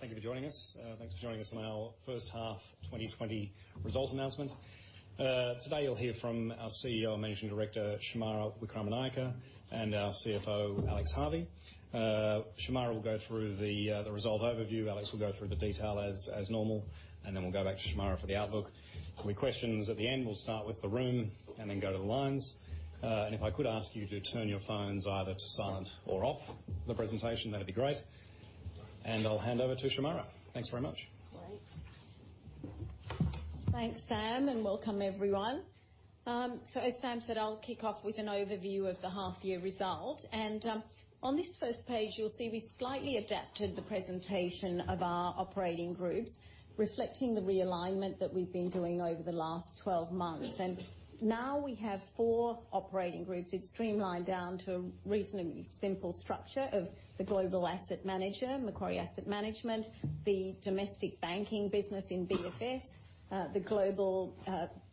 Thank you for joining us. Thanks for joining us on our first half 2020 result announcement. Today you'll hear from our CEO, Managing Director Shemara Wikramanayake, and our CFO, Alex Harvey. Shemara will go through the result overview. Alex will go through the detail as normal, and then we'll go back to Shemara for the outlook. We have questions at the end. We'll start with the room and then go to the lines. If I could ask you to turn your phones either to silent or off for the presentation, that'd be great. I'll hand over to Shemara. Thanks very much. Great. Thanks, Sam, and welcome, everyone. As Sam said, I'll kick off with an overview of the half-year result. On this first page, you'll see we slightly adapted the presentation of our operating groups, reflecting the realignment that we've been doing over the last 12 months. Now we have four operating groups. It's streamlined down to a reasonably simple structure of the Global Asset Manager, Macquarie Asset Management, the Domestic Banking Business in BFS, the Global,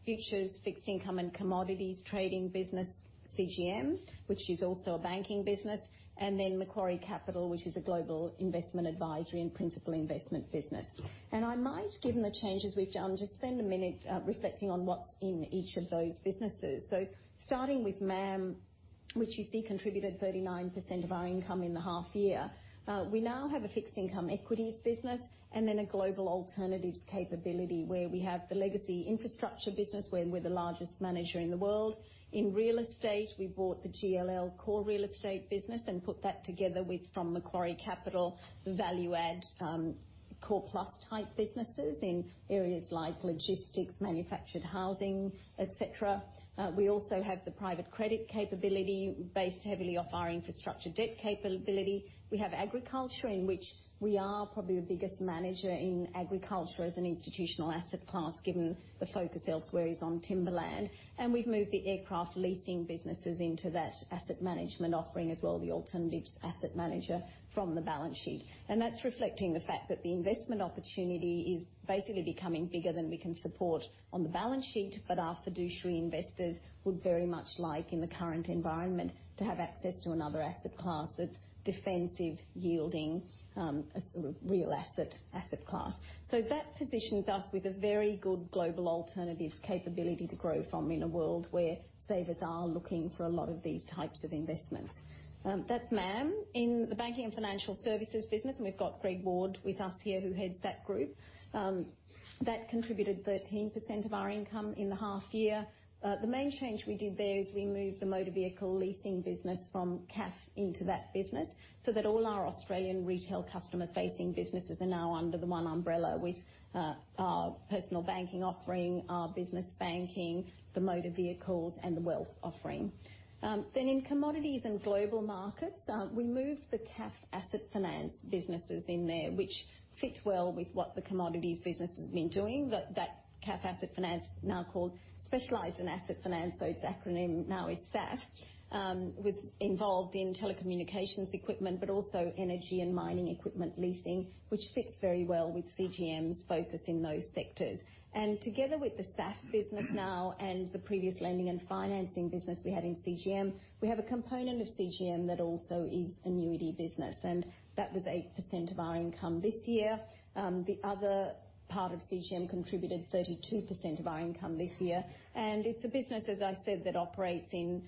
Futures, Fixed Income, and Commodities Trading Business, CGM, which is also a banking business, and then Macquarie Capital, which is a Global Investment Advisory and Principal Investment Business. I might, given the changes we've done, just spend a minute reflecting on what's in each of those businesses. Starting with MAM, which you see contributed 39% of our income in the half-year, we now have a Fixed Income Equities Business and then a Global Alternatives capability where we have the Legacy Infrastructure Business, where we're the largest manager in the world. In Real Estate, we bought the GLL Core Real Estate Business and put that together with, from Macquarie Capital, the Value Add, Core Plus type businesses in areas like logistics, manufactured housing, et cetera. We also have the Private Credit capability based heavily off our infrastructure debt capability. We have Agriculture, in which we are probably the biggest manager in agriculture as an institutional asset class, given the focus elsewhere is on timberland. We have moved the Aircraft Leasing Businesses into that asset management offering as well, the Alternatives Asset Manager from the balance sheet. That is reflecting the fact that the investment opportunity is basically becoming bigger than we can support on the balance sheet. Our fiduciary investors would very much like, in the current environment, to have access to another asset class that is defensive yielding, a sort of real asset asset class. That positions us with a very good Global Alternatives capability to grow from in a world where savers are looking for a lot of these types of investments. That is MAM in the Banking and Financial Services Business. We have Greg Ward with us here who heads that group. That contributed 13% of our income in the half-year. The main change we did there is we moved the Motor Vehicle Leasing Business from CAF into that business so that all our Australian retail customer-facing businesses are now under the one umbrella with our personal banking offering, our business banking, the motor vehicles, and the wealth offering. In Commodities and Global Markets, we moved the CAF Asset Finance businesses in there, which fit well with what the Commodities Business has been doing. That CAF Asset Finance, now called Specialized Asset Finance, so its acronym now is SAF, was involved in telecommunications equipment but also energy and mining equipment leasing, which fits very well with CGM's focus in those sectors. Together with the SAF business now and the previous lending and financing business we had in CGM, we have a component of CGM that also is annuity business. That was 8% of our income this year. The other part of CGM contributed 32% of our income this year. It is a business, as I said, that operates in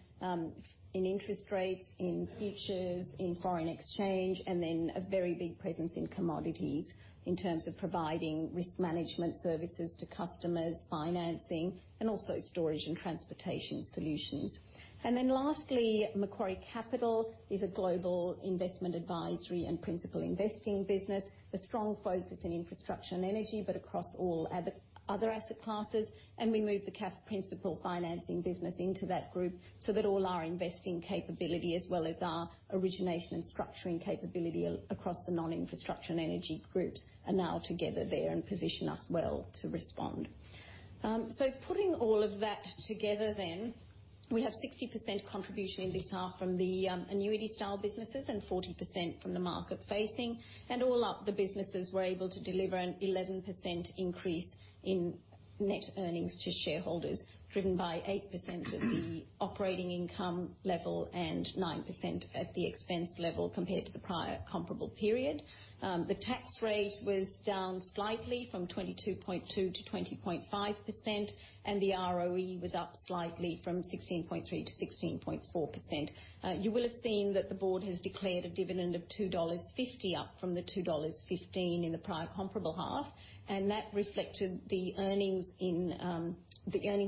interest rates, in futures, in foreign exchange, and then a very big presence in commodities in terms of providing risk management services to customers, financing, and also storage and transportation solutions. Lastly, Macquarie Capital is a Global Investment Advisory and Principal Investing Business, a strong focus in infrastructure and energy but across all other asset classes. We moved the CAF Principal Financing Business into that group so that all our investing capability as well as our origination and structuring capability across the non-infrastructure and energy groups are now together there and position us well to respond. Putting all of that together then, we have 60% contribution in this half from the annuity-style businesses and 40% from the market-facing. All up, the businesses were able to deliver an 11% increase in net earnings to shareholders, driven by 8% at the operating income level and 9% at the expense level compared to the prior comparable period. The tax rate was down slightly from 22.2% to 20.5%, and the ROE was up slightly from 16.3% to 16.4%. You will have seen that the Board has declared a dividend of 2.50 dollars, up from the 2.15 dollars in the prior comparable half. That reflected the earnings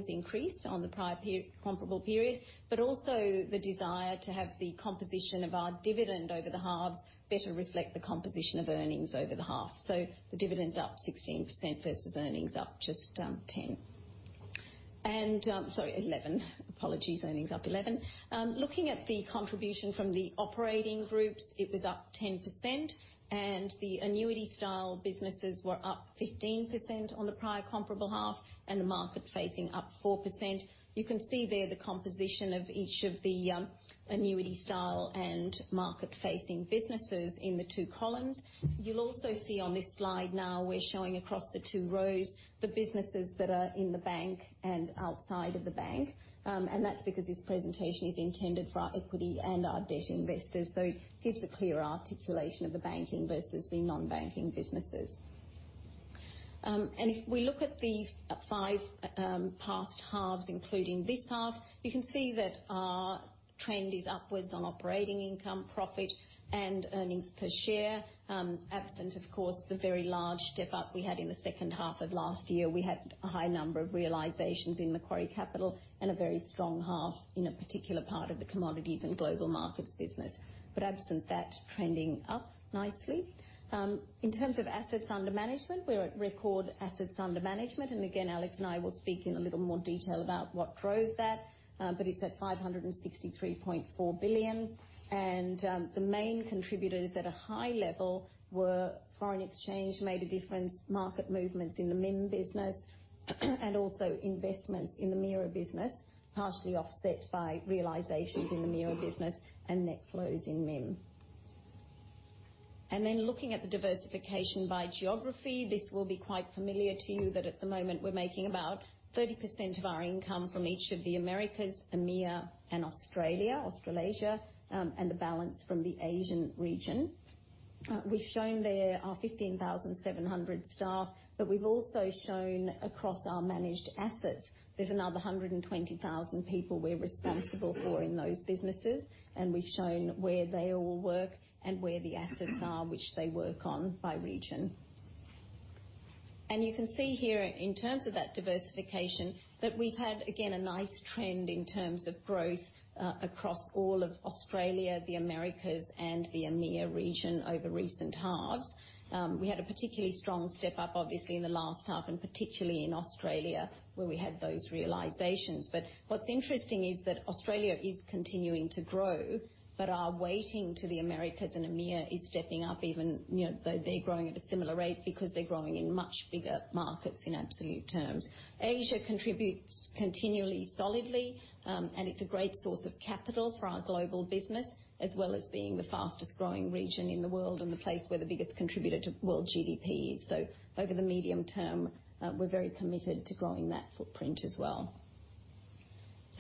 increase on the prior comparable period, but also the desire to have the composition of our dividend over the halves better reflect the composition of earnings over the half. The dividend is up 16% versus earnings up just 10%. Sorry, 11. Apologies, earnings up 11. Looking at the contribution from the operating groups, it was up 10%. The annuity-style businesses were up 15% on the prior comparable half and the market-facing up 4%. You can see there the composition of each of the annuity-style and market-facing businesses in the two columns. You'll also see on this slide now we're showing across the two rows the businesses that are in the bank and outside of the bank. That is because this presentation is intended for our equity and our debt investors. It gives a clearer articulation of the banking versus the non-banking businesses. If we look at the five past halves, including this half, you can see that our trend is upwards on operating income, profit, and earnings per share. Absent, of course, the very large step-up we had in the second half of last year, we had a high number of realizations in Macquarie Capital and a very strong half in a particular part of the Commodities and Global Markets business. Absent that, trending up nicely. In terms of assets under management, we're at record assets under management. Again, Alex and I will speak in a little more detail about what drove that. It is at 563.4 billion. The main contributors at a high level were foreign exchange made a difference, market movements in the MIM business, and also investments in the MIRA business, partially offset by realizations in the MIRA business and net flows in MIM. Looking at the diversification by geography, this will be quite familiar to you that at the moment we're making about 30% of our income from each of the Americas, EMEA, and Australia, Australasia, and the balance from the Asian region. We've shown there our 15,700 staff, but we've also shown across our managed assets, there's another 120,000 people we're responsible for in those businesses. We've shown where they all work and where the assets are which they work on by region. You can see here in terms of that diversification that we've had, again, a nice trend in terms of growth, across all of Australia, the Americas, and the EMEA region over recent halves. We had a particularly strong step-up, obviously, in the last half, and particularly in Australia where we had those realizations. What is interesting is that Australia is continuing to grow, but our weighting to the Americas and EMEA is stepping up even, you know, though they are growing at a similar rate because they are growing in much bigger markets in absolute terms. Asia contributes continually solidly, and it is a great source of capital for our global business as well as being the fastest-growing region in the world and the place where the biggest contributor to world GDP is. Over the medium term, we are very committed to growing that footprint as well.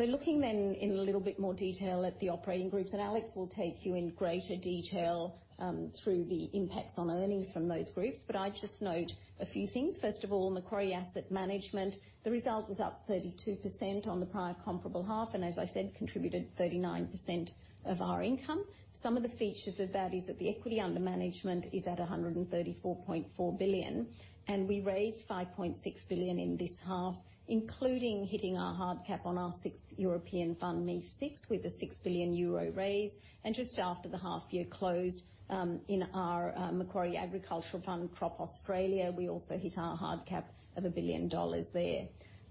Looking then in a little bit more detail at the operating groups, and Alex will take you in greater detail through the impacts on earnings from those groups. I would just note a few things. First of all, Macquarie Asset Management, the result was up 32% on the prior comparable half and, as I said, contributed 39% of our income. Some of the features of that is that the equity under management is at 134.4 billion. We raised 5.6 billion in this half, including hitting our hard cap on our sixth European Fund, MAIF6, with a 6 billion euro raise. Just after the half-year closed, in our Macquarie Agricultural Fund, Crop Australia, we also hit our hard cap of 1 billion dollars there.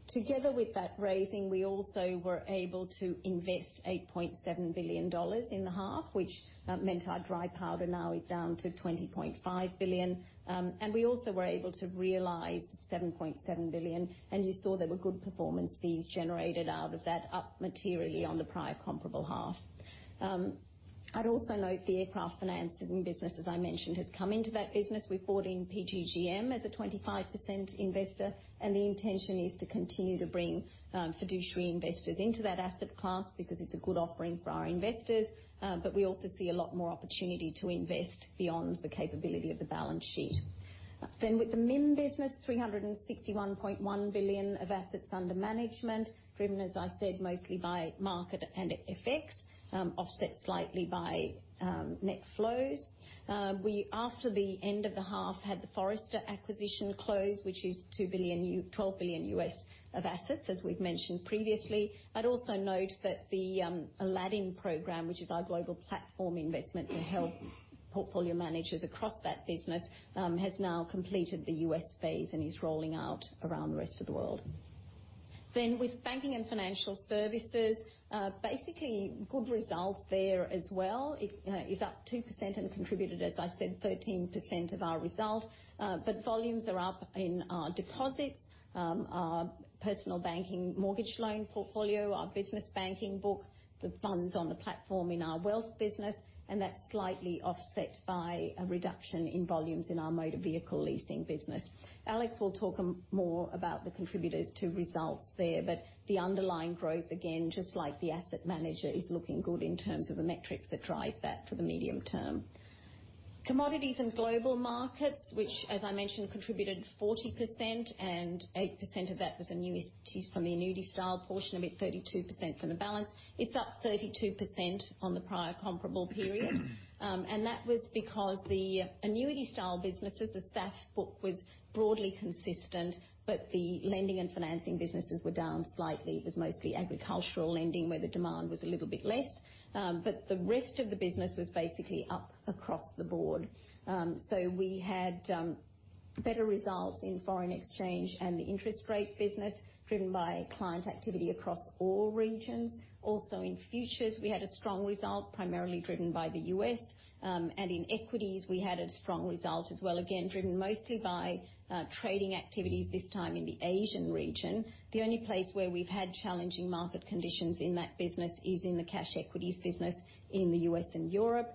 Together with that raising, we also were able to invest 8.7 billion dollars in the half, which meant our dry powder now is down to 20.5 billion. We also were able to realize 7.7 billion. You saw there were good performance fees generated out of that, up materially on the prior comparable half. I'd also note the Aircraft Financing Business, as I mentioned, has come into that business. We've brought in PGGM as a 25% investor. The intention is to continue to bring fiduciary investors into that asset class because it's a good offering for our investors. We also see a lot more opportunity to invest beyond the capability of the balance sheet. With the MIM business, 361.1 billion of assets under management, driven, as I said, mostly by market and effects, offset slightly by net flows. After the end of the half, we had the Forrester acquisition close, which is 12 billion U.S. of assets, as we've mentioned previously. I'd also note that the Aladdin program, which is our global platform investment to help portfolio managers across that business, has now completed the U.S. phase and is rolling out around the rest of the world. With Banking and Financial Services, basically good result there as well. It is up 2% and contributed, as I said, 13% of our result. Volumes are up in our deposits, our personal banking mortgage loan portfolio, our business banking book, the funds on the platform in our wealth business. That is slightly offset by a reduction in volumes in our motor vehicle leasing business. Alex will talk more about the contributors to result there. The underlying growth, again, just like the asset manager, is looking good in terms of the metrics that drive that for the medium term. Commodities and Global Markets, which, as I mentioned, contributed 40%, and 8% of that was annuities from the annuity-style portion of it, 32% from the balance. It is up 32% on the prior comparable period. That was because the annuity-style businesses, the SAF book was broadly consistent, but the lending and financing businesses were down slightly. It was mostly agricultural lending where the demand was a little bit less. The rest of the business was basically up across the board. We had better results in foreign exchange and the interest rate business, driven by client activity across all regions. Also, in futures, we had a strong result, primarily driven by the U.S. In equities, we had a strong result as well, again, driven mostly by trading activities, this time in the Asian region. The only place where we've had challenging market conditions in that business is in the cash equities business in the U.S. and Europe.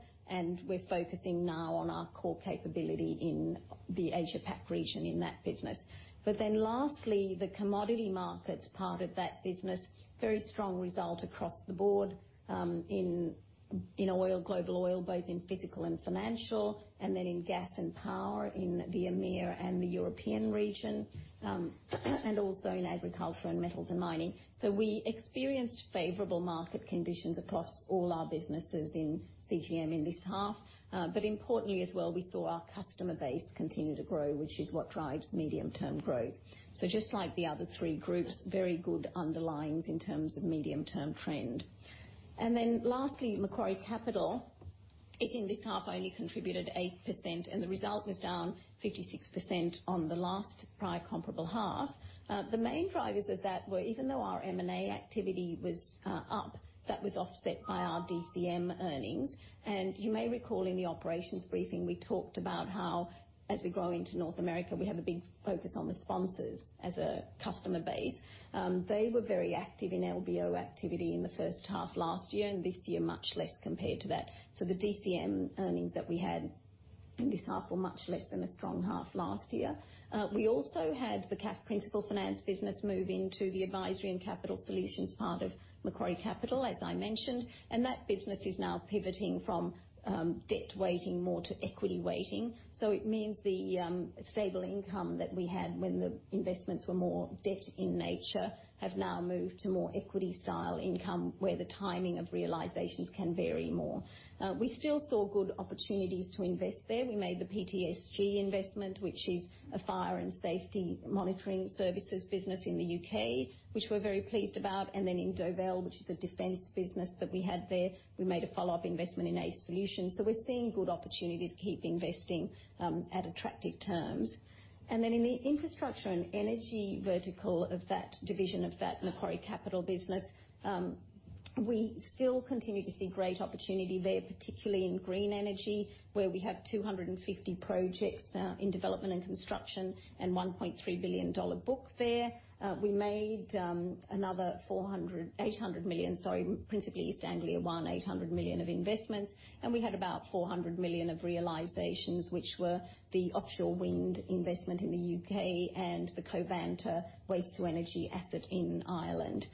We're focusing now on our core capability in the Asia Pac region in that business. Lastly, the commodity markets part of that business, very strong result across the board, in oil, global oil, both in physical and financial, and then in gas and power in the EMEA and the European region, and also in agriculture and metals and mining. We experienced favorable market conditions across all our businesses in CGM in this half. Importantly as well, we saw our customer base continue to grow, which is what drives medium-term growth. Just like the other three groups, very good underlyings in terms of medium-term trend. Lastly, Macquarie Capital, in this half only contributed 8%, and the result was down 56% on the last prior comparable half. The main drivers of that were, even though our M&A activity was up, that was offset by our DCM earnings. You may recall in the operations briefing, we talked about how, as we grow into North America, we have a big focus on the sponsors as a customer base. They were very active in LBO activity in the first half last year and this year much less compared to that. The DCM earnings that we had in this half were much less than a strong half last year. We also had the CAF Principal Finance business move into the advisory and capital solutions part of Macquarie Capital, as I mentioned. That business is now pivoting from debt weighting more to equity weighting. It means the stable income that we had when the investments were more debt in nature have now moved to more equity-style income where the timing of realizations can vary more. We still saw good opportunities to invest there. We made the PTSG investment, which is a fire and safety monitoring services business in the U.K., which we're very pleased about. In Dovel, which is a defense business that we had there, we made a follow-up investment in Ace Solutions. We're seeing good opportunity to keep investing, at attractive terms. In the infrastructure and energy vertical of that division of that Macquarie Capital business, we still continue to see great opportunity there, particularly in green energy, where we have 250 projects in development and construction and 1.3 billion dollar book there. We made another 800 million of investments in Principal East Anglia One. We had about 400 million of realizations, which were the offshore wind investment in the U.K. and the Covanta waste-to-energy asset in Ireland.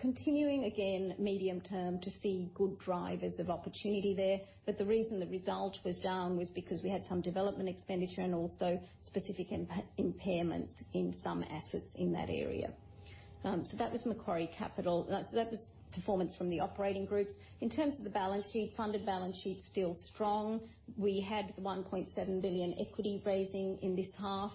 Continuing again medium term to see good drivers of opportunity there. The reason the result was down was because we had some development expenditure and also specific impairments in some assets in that area. That was Macquarie Capital. That was performance from the operating groups. In terms of the balance sheet, funded balance sheet is still strong. We had the 1.7 billion equity raising in this half.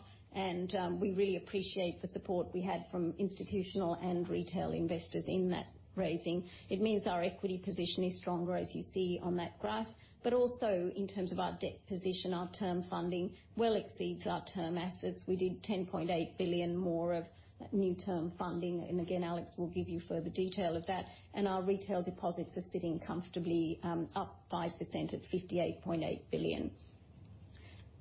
We really appreciate the support we had from institutional and retail investors in that raising. It means our equity position is stronger, as you see on that graph. Also in terms of our debt position, our term funding well exceeds our term assets. We did 10.8 billion more of new term funding. Alex will give you further detail of that. Our retail deposits are sitting comfortably, up 5% at 58.8 billion.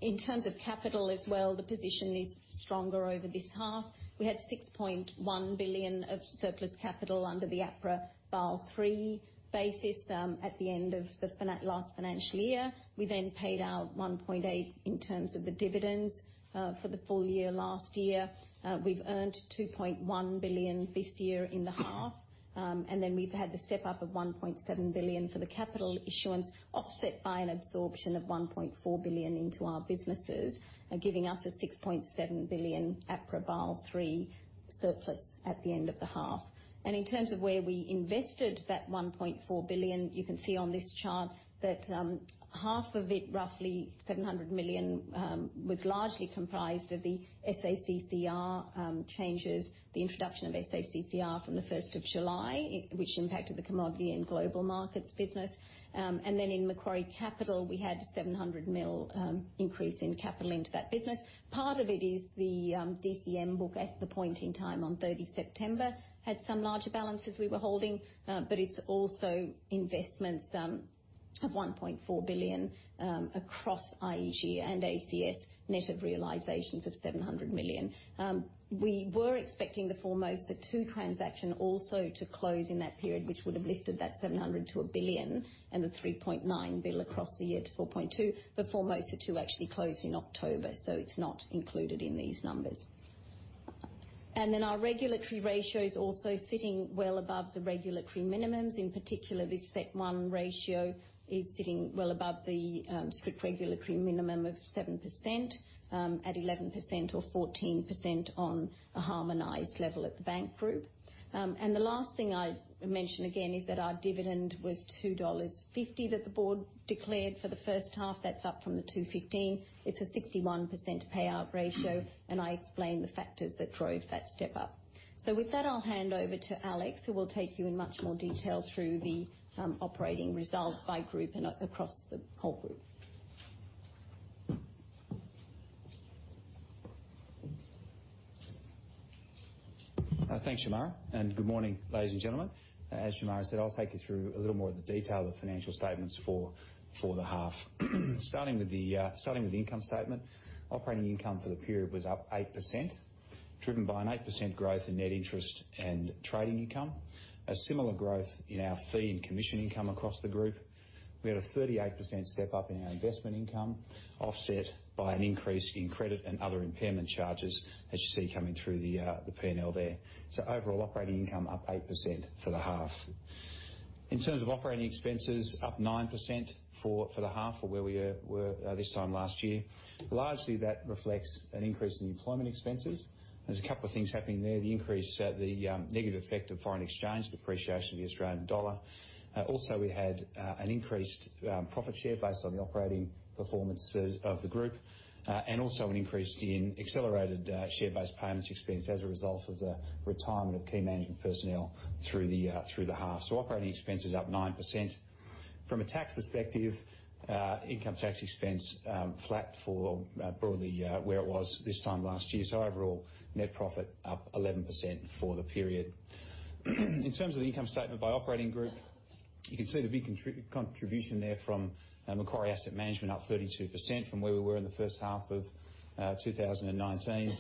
In terms of capital as well, the position is stronger over this half. We had 6.1 billion of surplus capital under the APRA bar three basis, at the end of the last financial year. We then paid out 1.8 billion in terms of the dividends, for the full year last year. We've earned 2.1 billion this year in the half. We have had the step-up of 1.7 billion for the capital issuance, offset by an absorption of 1.4 billion into our businesses, giving us an 6.7 billion APRA bar three surplus at the end of the half. In terms of where we invested that 1.4 billion, you can see on this chart that, half of it, roughly 700 million, was largely comprised of the SACCR changes, the introduction of SACCR from the 1st of July, which impacted the Commodities and Global Markets business. In Macquarie Capital, we had a 700 million increase in capital into that business. Part of it is the DCM book at the point in time on 30 September had some larger balances we were holding. It is also investments of 1.4 billion across IEG and ACS, net of realizations of 700 million. We were expecting the foremost of two transactions also to close in that period, which would have lifted that 700 million to 1 billion and the 3.9 billion across the year to 4.2 billion. The foremost of two actually closed in October, so it is not included in these numbers. Our regulatory ratio is also sitting well above the regulatory minimums. In particular, the CET1 ratio is sitting well above the strict regulatory minimum of 7%, at 11% or 14% on a harmonized level at the bank group. The last thing I mention again is that our dividend was 2.50 dollars that the board declared for the first half. That's up from the 2.15. It's a 61% payout ratio. I explained the factors that drove that step-up. With that, I'll hand over to Alex, who will take you in much more detail through the operating results by group and across the whole Group. Thanks, Shemara. And good morning, ladies and gentlemen. As Shemara said, I'll take you through a little more of the detail of the financial statements for the half. Starting with the income statement, operating income for the period was up 8%, driven by an 8% growth in net interest and trading income. A similar growth in our fee and commission income across the Group. We had a 38% step-up in our investment income, offset by an increase in credit and other impairment charges, as you see coming through the P&L there. Overall, operating income up 8% for the half. In terms of operating expenses, up 9% for the half for where we were this time last year. Largely, that reflects an increase in the employment expenses. There's a couple of things happening there. The increase, the negative effect of foreign exchange depreciation of the Australian dollar. Also we had an increased profit share based on the operating performance of the Group, and also an increase in accelerated share-based payments expense as a result of the retirement of key management personnel through the half. Operating expenses up 9%. From a tax perspective, income tax expense flat for, broadly, where it was this time last year. Overall net profit up 11% for the period. In terms of the income statement by operating group, you can see the big contribution there from Macquarie Asset Management, up 32% from where we were in the first half of 2019.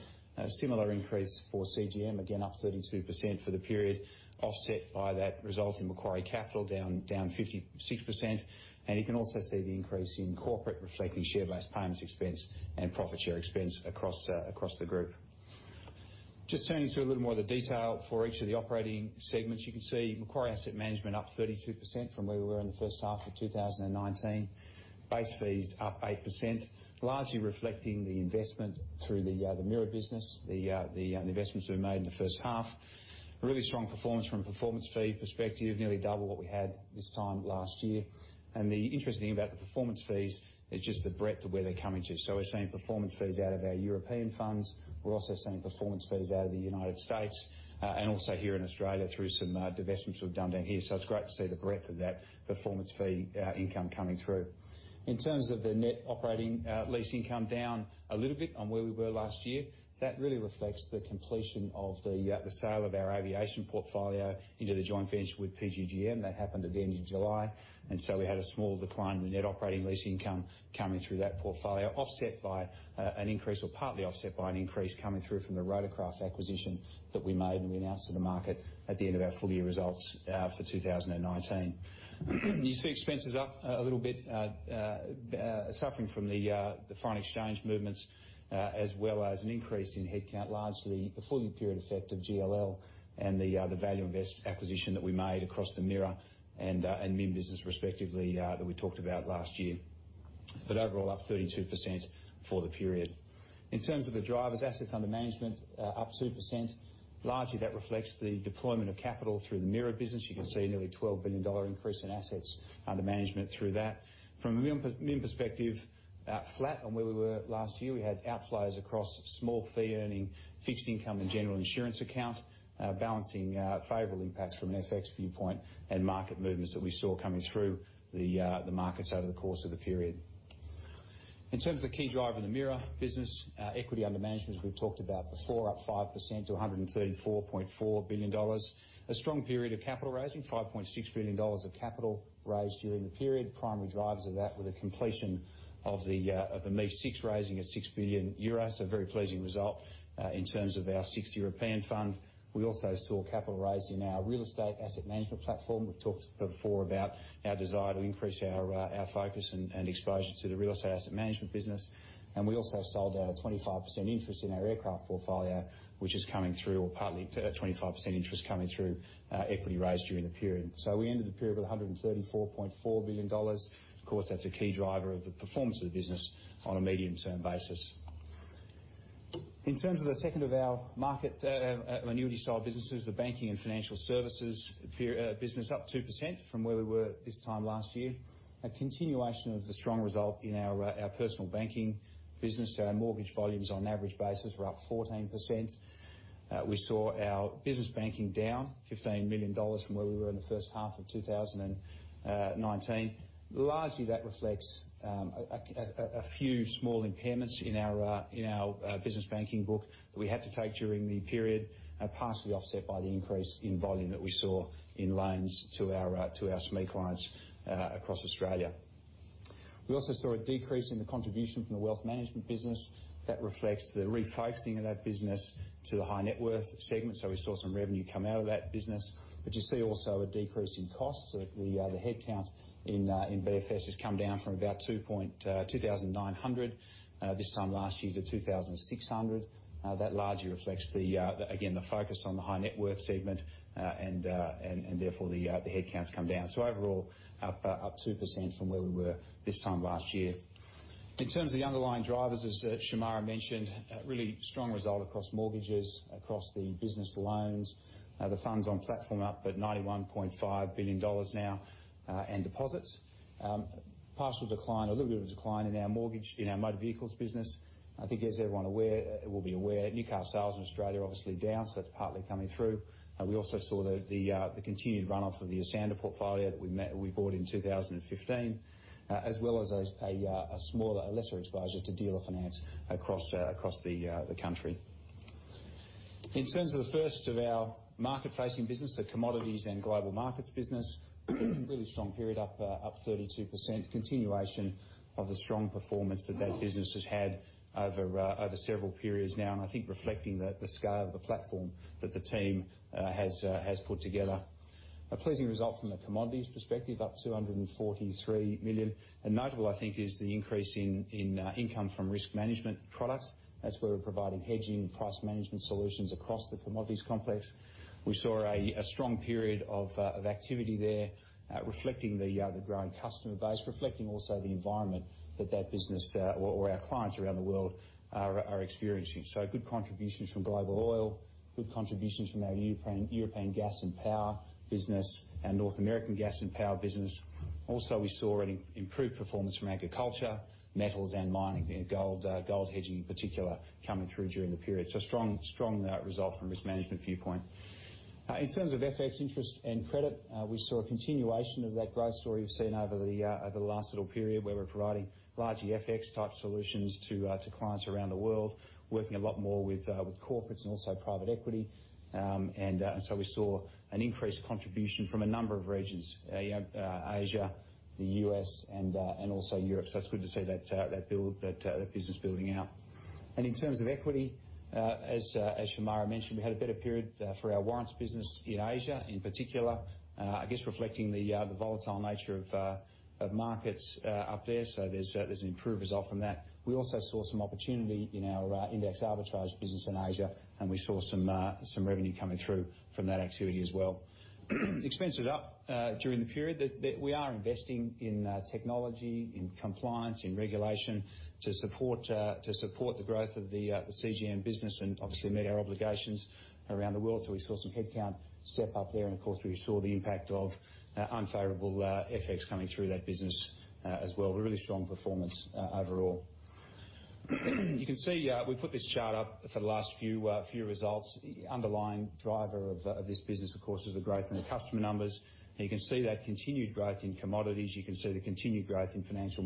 Similar increase for CGM, again up 32% for the period, offset by that result in Macquarie Capital down 56%. You can also see the increase in corporate reflecting share-based payments expense and profit share expense across the Group. Turning to a little more of the detail for each of the operating segments, you can see Macquarie Asset Management up 32% from where we were in the first half of 2019. Base fees up 8%, largely reflecting the investment through the MIRA business, the investments we made in the first half. Really strong performance from a performance fee perspective, nearly double what we had this time last year. The interesting thing about the performance fees is just the breadth of where they're coming to. We are seeing performance fees out of our European funds. We are also seeing performance fees out of the United States, and also here in Australia through some divestments we've done down here. It's great to see the breadth of that performance fee income coming through. In terms of the net operating lease income, down a little bit on where we were last year, that really reflects the completion of the sale of our aviation portfolio into the joint venture with PGGM. That happened at the end of July. We had a small decline in the net operating lease income coming through that portfolio, partly offset by an increase coming through from the rotorcraft acquisition that we made and we announced to the market at the end of our full year results for 2019. You see expenses up, a little bit, suffering from the foreign exchange movements, as well as an increase in headcount, largely the full year period effect of GLL and the value invest acquisition that we made across the MIRA and MIM business respectively, that we talked about last year. Overall up 32% for the period. In terms of the drivers, assets under management, up 2%. Largely that reflects the deployment of capital through the MIRA business. You can see nearly 12 billion dollar increase in assets under management through that. From a MIM perspective, flat on where we were last year. We had outflows across small fee earning, fixed income, and general insurance account, balancing, favorable impacts from an FX viewpoint and market movements that we saw coming through the markets over the course of the period. In terms of the key driver in the MIRA business, equity under management, as we've talked about before, up 5% to 134.4 billion dollars. A strong period of capital raising, 5.6 billion dollars of capital raised during the period. Primary drivers of that were the completion of the, of the MAIF6 raising at 6 billion euros. A very pleasing result, in terms of our sixth European fund. We also saw capital raised in our real estate asset management platform. We've talked before about our desire to increase our, our focus and, and exposure to the real estate asset management business. We also sold out a 25% interest in our aircraft portfolio, which is coming through, or partly a 25% interest coming through, equity raised during the period. We ended the period with 134.4 billion dollars. Of course, that's a key driver of the performance of the business on a medium-term basis. In terms of the second of our market annuity style businesses, the Banking and Financial Services business, up 2% from where we were this time last year. A continuation of the strong result in our personal banking business. Our mortgage volumes on average basis were up 14%. We saw our business banking down 15 million dollars from where we were in the first half of 2019. Largely that reflects a few small impairments in our business banking book that we had to take during the period, partially offset by the increase in volume that we saw in loans to our SME clients across Australia. We also saw a decrease in the contribution from the wealth management business. That reflects the reposting of that business to the high net worth segment. We saw some revenue come out of that business. You see also a decrease in costs. The headcount in BFS has come down from about 2,900 this time last year to 2,600. That largely reflects the, again, the focus on the high net worth segment, and therefore the headcount's come down. Overall up 2% from where we were this time last year. In terms of the underlying drivers, as Shemara mentioned, really strong result across mortgages, across the business loans, the funds on platform up at 91.5 billion dollars now, and deposits. Partial decline, a little bit of a decline in our mortgage, in our motor vehicles business. I think as everyone will be aware, new car sales in Australia obviously down, so that's partly coming through. We also saw the continued run-off of the Esanda Portfolio that we bought in 2015, as well as a smaller, lesser exposure to dealer finance across the country. In terms of the first of our market facing business, the Commodities and Global Markets business, really strong period, up 32%. Continuation of the strong performance that that business has had over several periods now. I think reflecting the scale of the platform that the team has put together. A pleasing result from the commodities perspective, up 243 million. Notable, I think, is the increase in income from risk management products. That is where we are providing hedging, price management solutions across the commodities complex. We saw a strong period of activity there, reflecting the growing customer base, reflecting also the environment that that business, or our clients around the world are experiencing. Good contributions from global oil, good contributions from our European gas and power business, our North American gas and power business. Also we saw an improved performance from agriculture, metals and mining, gold, gold hedging in particular coming through during the period. Strong result from risk management viewpoint. In terms of FX interest and credit, we saw a continuation of that growth story we've seen over the last little period where we're providing largely FX type solutions to clients around the world, working a lot more with corporates and also private equity. We saw an increased contribution from a number of regions, you know, Asia, the U.S., and also Europe. It is good to see that business building out. In terms of equity, as Shemara mentioned, we had a better period for our warrants business in Asia in particular, I guess reflecting the volatile nature of markets up there. There is an improved result from that. We also saw some opportunity in our index arbitrage business in Asia, and we saw some revenue coming through from that activity as well. Expenses were up during the period. We are investing in technology, in compliance, in regulation to support the growth of the CGM business and obviously meet our obligations around the world. We saw some headcount step up there. Of course we saw the impact of unfavorable FX coming through that business as well. Really strong performance overall. You can see, we put this chart up for the last few results. Underlying driver of this business, of course, is the growth in the customer numbers. You can see that continued growth in commodities. You can see the continued growth in financial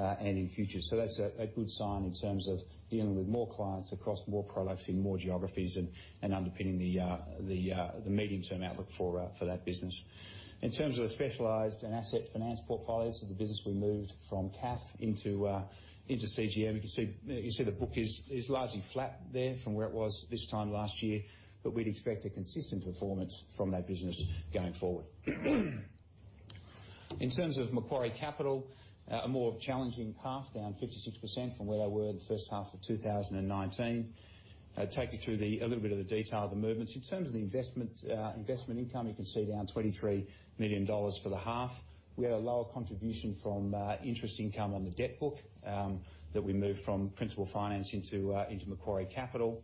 markets, and in futures. That's a good sign in terms of dealing with more clients across more products in more geographies and underpinning the medium-term outlook for that business. In terms of the specialized and asset finance portfolios, the business we moved from CAF into CGM, you can see the book is largely flat there from where it was this time last year. We'd expect a consistent performance from that business going forward. In terms of Macquarie Capital, a more challenging path, down 56% from where they were in the first half of 2019. I'll take you through a little bit of the detail of the movements. In terms of the investment income, you can see down 23 million dollars for the half. We had a lower contribution from interest income on the debt book that we moved from principal finance into Macquarie Capital.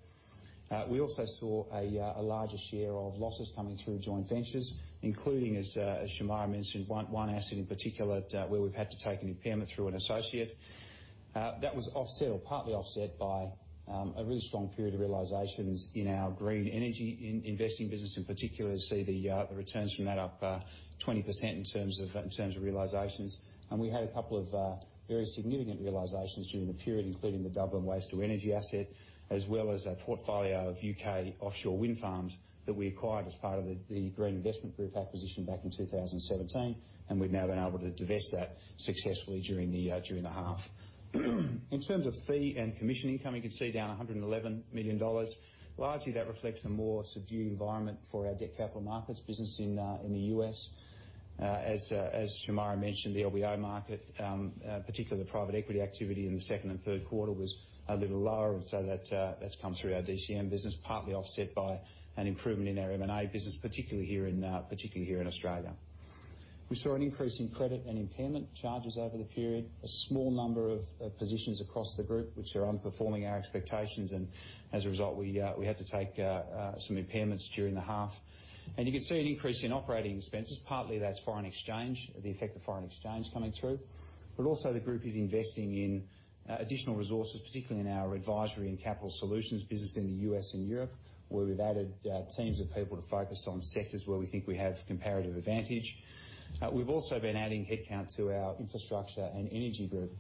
We also saw a larger share of losses coming through joint ventures, including, as Shemara mentioned, one asset in particular where we've had to take an impairment through an associate. That was offset, or partly offset, by a really strong period of realizations in our green energy investing business in particular. See the returns from that up, 20% in terms of realizations. We had a couple of very significant realizations during the period, including the Dublin Waste to Energy asset, as well as a portfolio of U.K. offshore wind farms that we acquired as part of the green investment group acquisition back in 2017. We have now been able to divest that successfully during the half. In terms of fee and commission income, you can see down 111 million dollars. Largely that reflects a more subdued environment for our debt capital markets business in the U.S. As Shemara mentioned, the LBO market, particularly the private equity activity in the second and third quarter, was a little lower. That has come through our DCM business, partly offset by an improvement in our M&A business, particularly here in Australia. We saw an increase in credit and impairment charges over the period. A small number of positions across the Group which are underperforming our expectations. As a result, we had to take some impairments during the half. You can see an increase in operating expenses. Partly that's the effect of foreign exchange coming through, but also the Group is investing in additional resources, particularly in our advisory and capital solutions business in the U.S. and Europe, where we've added teams of people to focus on sectors where we think we have comparative advantage. We've also been adding headcount to our infrastructure and energy group.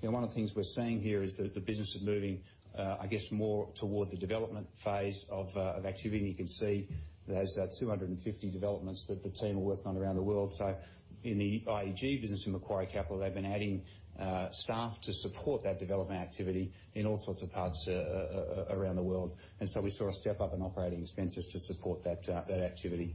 You know, one of the things we're seeing here is that the business is moving, I guess, more toward the development phase of activity. You can see there are 250 developments that the team are working on around the world. In the IEG business in Macquarie Capital, they've been adding staff to support that development activity in all sorts of parts around the world. We saw a step up in operating expenses to support that activity.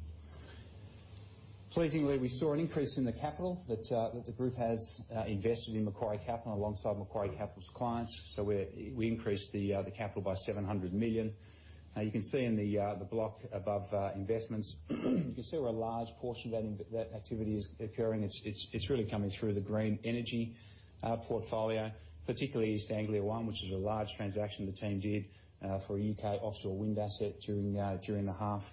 Pleasingly, we saw an increase in the capital that the Group has invested in Macquarie Capital alongside Macquarie Capital's clients. We increased the capital by 700 million. You can see in the block above, investments, you can see where a large portion of that activity is occurring. It's really coming through the green energy portfolio, particularly East Anglia One, which is a large transaction the team did for a U.K. offshore wind asset during the half.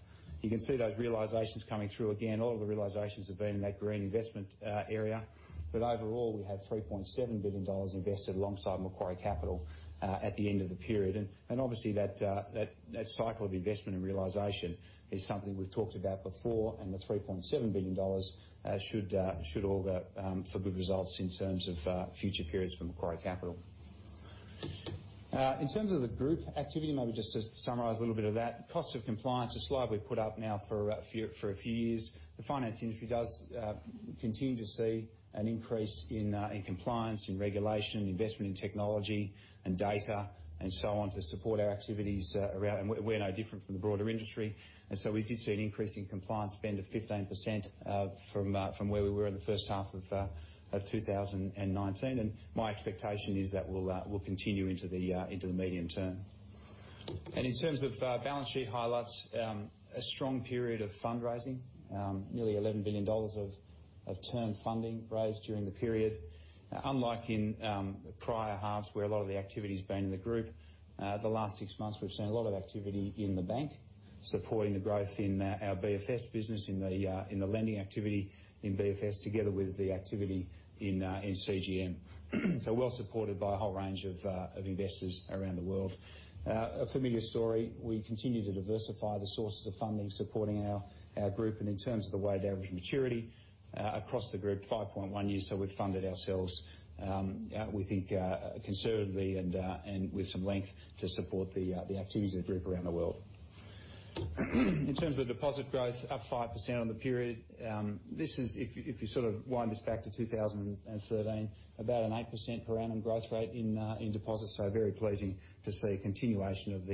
You can see those realizations coming through again. All of the realizations have been in that green investment area. Overall we have 3.7 billion dollars invested alongside Macquarie Capital at the end of the period. Obviously that cycle of investment and realization is something we've talked about before. The 3.7 billion dollars should augur for good results in terms of future periods for Macquarie Capital. In terms of the group activity, maybe just to summarize a little bit of that, cost of compliance, a slide we put up now for a few years. The finance industry does continue to see an increase in compliance, in regulation, investment in technology and data, and so on to support our activities around. We're no different from the broader industry. We did see an increase in compliance spend of 15% from where we were in the first half of 2019. My expectation is that we'll continue into the medium term. In terms of balance sheet highlights, a strong period of fundraising, nearly 11 billion dollars of term funding raised during the period. Unlike in the prior halves where a lot of the activity's been in the Group, the last six months we've seen a lot of activity in the bank supporting the growth in our BFS business, in the lending activity in BFS together with the activity in CGM. Well supported by a whole range of investors around the world. A familiar story. We continue to diversify the sources of funding supporting our Group. In terms of the weighted average maturity across the Group, 5.1 years. We have funded ourselves, we think, conservatively and with some length to support the activities of the Group around the world. In terms of the deposit growth, up 5% on the period. If you sort of wind this back to 2013, about an 8% per annum growth rate in deposits. Very pleasing to see continuation of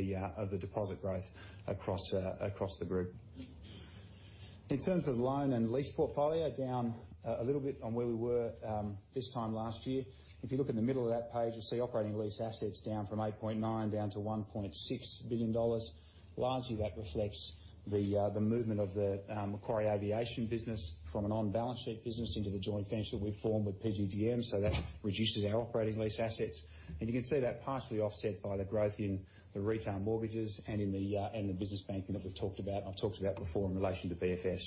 the deposit growth across the Group. In terms of loan and lease portfolio, down a little bit on where we were this time last year. If you look at the middle of that page, you will see operating lease assets down from 8.9 billion to 1.6 billion dollars. Largely that reflects the movement of the Macquarie Aviation business from an on-balance sheet business into the joint venture we formed with PGGM. That reduces our operating lease assets. You can see that partially offset by the growth in the retail mortgages and in the business banking that we've talked about. I've talked about before in relation to BFS.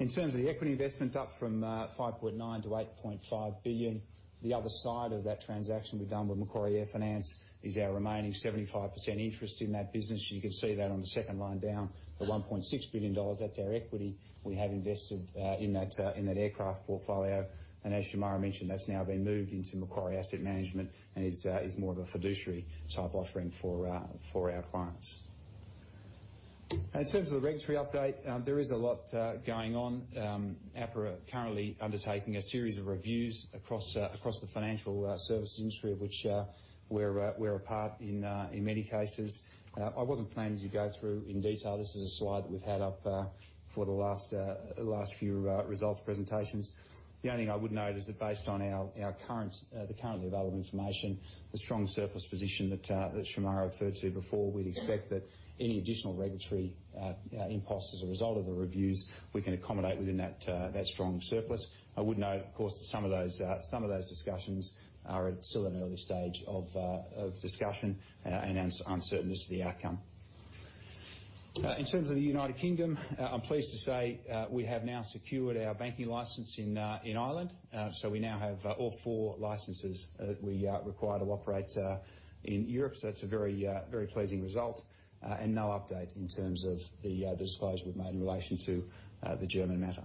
In terms of the equity investments, up from 5.9 billion to 8.5 billion. The other side of that transaction we've done with Macquarie Air Finance is our remaining 75% interest in that business. You can see that on the second line down, the 1.6 billion dollars. That's our equity. We have invested in that, in that aircraft portfolio. As Shemara mentioned, that's now been moved into Macquarie Asset Management and is more of a fiduciary type offering for our clients. In terms of the regulatory update, there is a lot going on. APRA currently undertaking a series of reviews across the financial services industry of which we're a part in many cases. I wasn't planning to go through in detail. This is a slide that we've had up for the last few results presentations. The only thing I would note is that based on our current, the currently available information, the strong surplus position that Shemara referred to before, we'd expect that any additional regulatory impost as a result of the reviews we can accommodate within that strong surplus. I would note, of course, that some of those discussions are still at an early stage of discussion and uncertainness of the outcome. In terms of the United Kingdom, I'm pleased to say we have now secured our banking license in Ireland. We now have all four licenses that we required to operate in Europe. It is a very, very pleasing result. No update in terms of the disclosure we've made in relation to the German matter.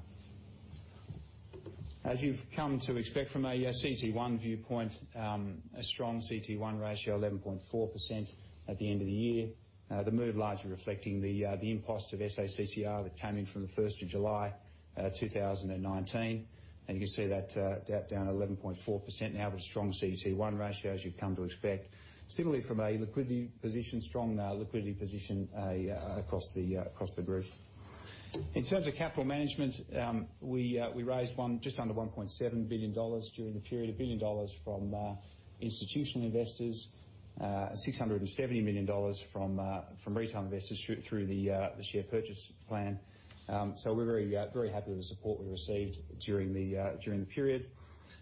As you've come to expect from a CT1 viewpoint, a strong CT1 ratio, 11.4% at the end of the year. The move largely reflecting the impost of SACCR that came in from the 1st of July, 2019. You can see that down 11.4% now with a strong CT1 ratio as you've come to expect. Similarly from a liquidity position, strong liquidity position across the Group. In terms of capital management, we raised just under 1.7 billion dollars during the period, 1 billion dollars from institutional investors, 670 million dollars from retail investors through the share purchase plan. We are very happy with the support we received during the period.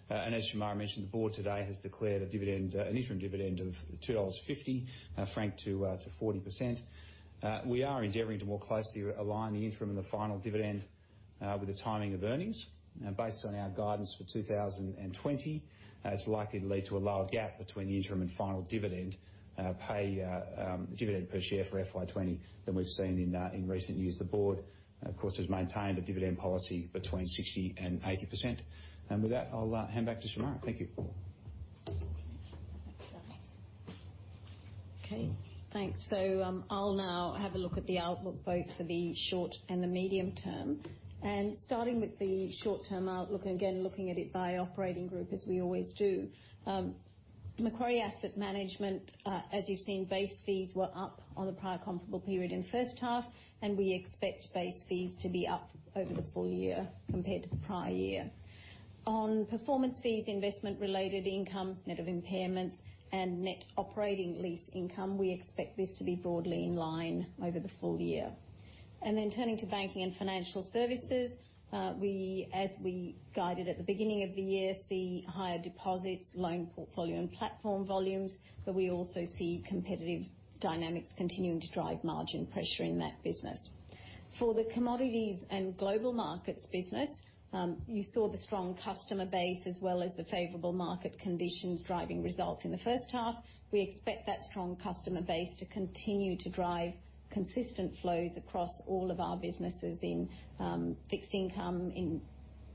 As Shemara mentioned, the Board today has declared a dividend, an interim dividend of 2.50 dollars, franked to 40%. We are endeavoring to more closely align the interim and the final dividend, with the timing of earnings. Based on our guidance for 2020, it is likely to lead to a lower gap between the interim and final dividend per share for FY2020 than we have seen in recent years. The Board, of course, has maintained a dividend policy between 60%-80%. With that, I will hand back to Shemara. Thank you. Thanks. Okay. Thanks. I'll now have a look at the outlook both for the short and the medium term. Starting with the short-term outlook, and again looking at it by operating group as we always do, Macquarie Asset Management, as you've seen, base fees were up on the prior comparable period in the first half. We expect base fees to be up over the full year compared to the prior year. On performance fees, investment-related income, net of impairments, and net operating lease income, we expect this to be broadly in line over the full year. Turning to Banking and Financial Services, we, as we guided at the beginning of the year, see higher deposits, loan portfolio, and platform volumes. We also see competitive dynamics continuing to drive margin pressure in that business. For the Commodities and Global Markets business, you saw the strong customer base as well as the favorable market conditions driving results in the first half. We expect that strong customer base to continue to drive consistent flows across all of our businesses in fixed income, in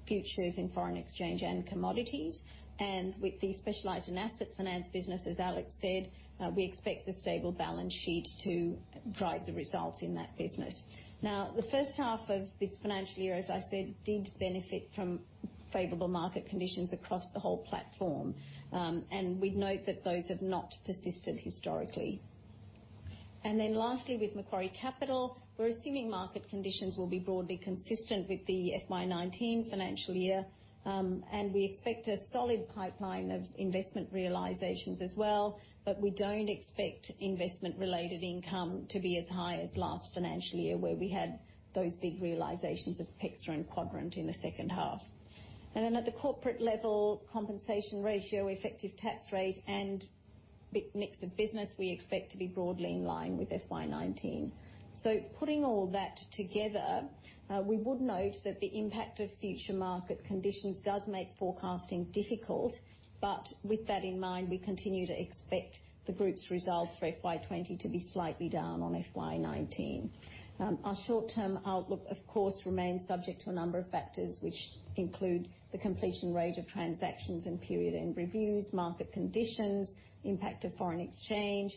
futures, in foreign exchange, and commodities. With the Specialized and Asset Finance business, as Alex said, we expect the stable balance sheet to drive the results in that business. Now, the first half of this financial year, as I said, did benefit from favorable market conditions across the whole platform. We note that those have not persisted historically. Lastly, with Macquarie Capital, we are assuming market conditions will be broadly consistent with the 2019 financial year, and we expect a solid pipeline of investment realizations as well. We do not expect investment-related income to be as high as last financial year where we had those big realizations of Pexa and Quadrant in the second half. At the corporate level, compensation ratio, effective tax rate, and mix of business, we expect to be broadly in line with FY2019. Putting all that together, we would note that the impact of future market conditions does make forecasting difficult. With that in mind, we continue to expect the Group's results for FY2020 to be slightly down on FY2019. Our short-term outlook, of course, remains subject to a number of factors which include the completion rate of transactions and period-end reviews, market conditions, impact of foreign exchange,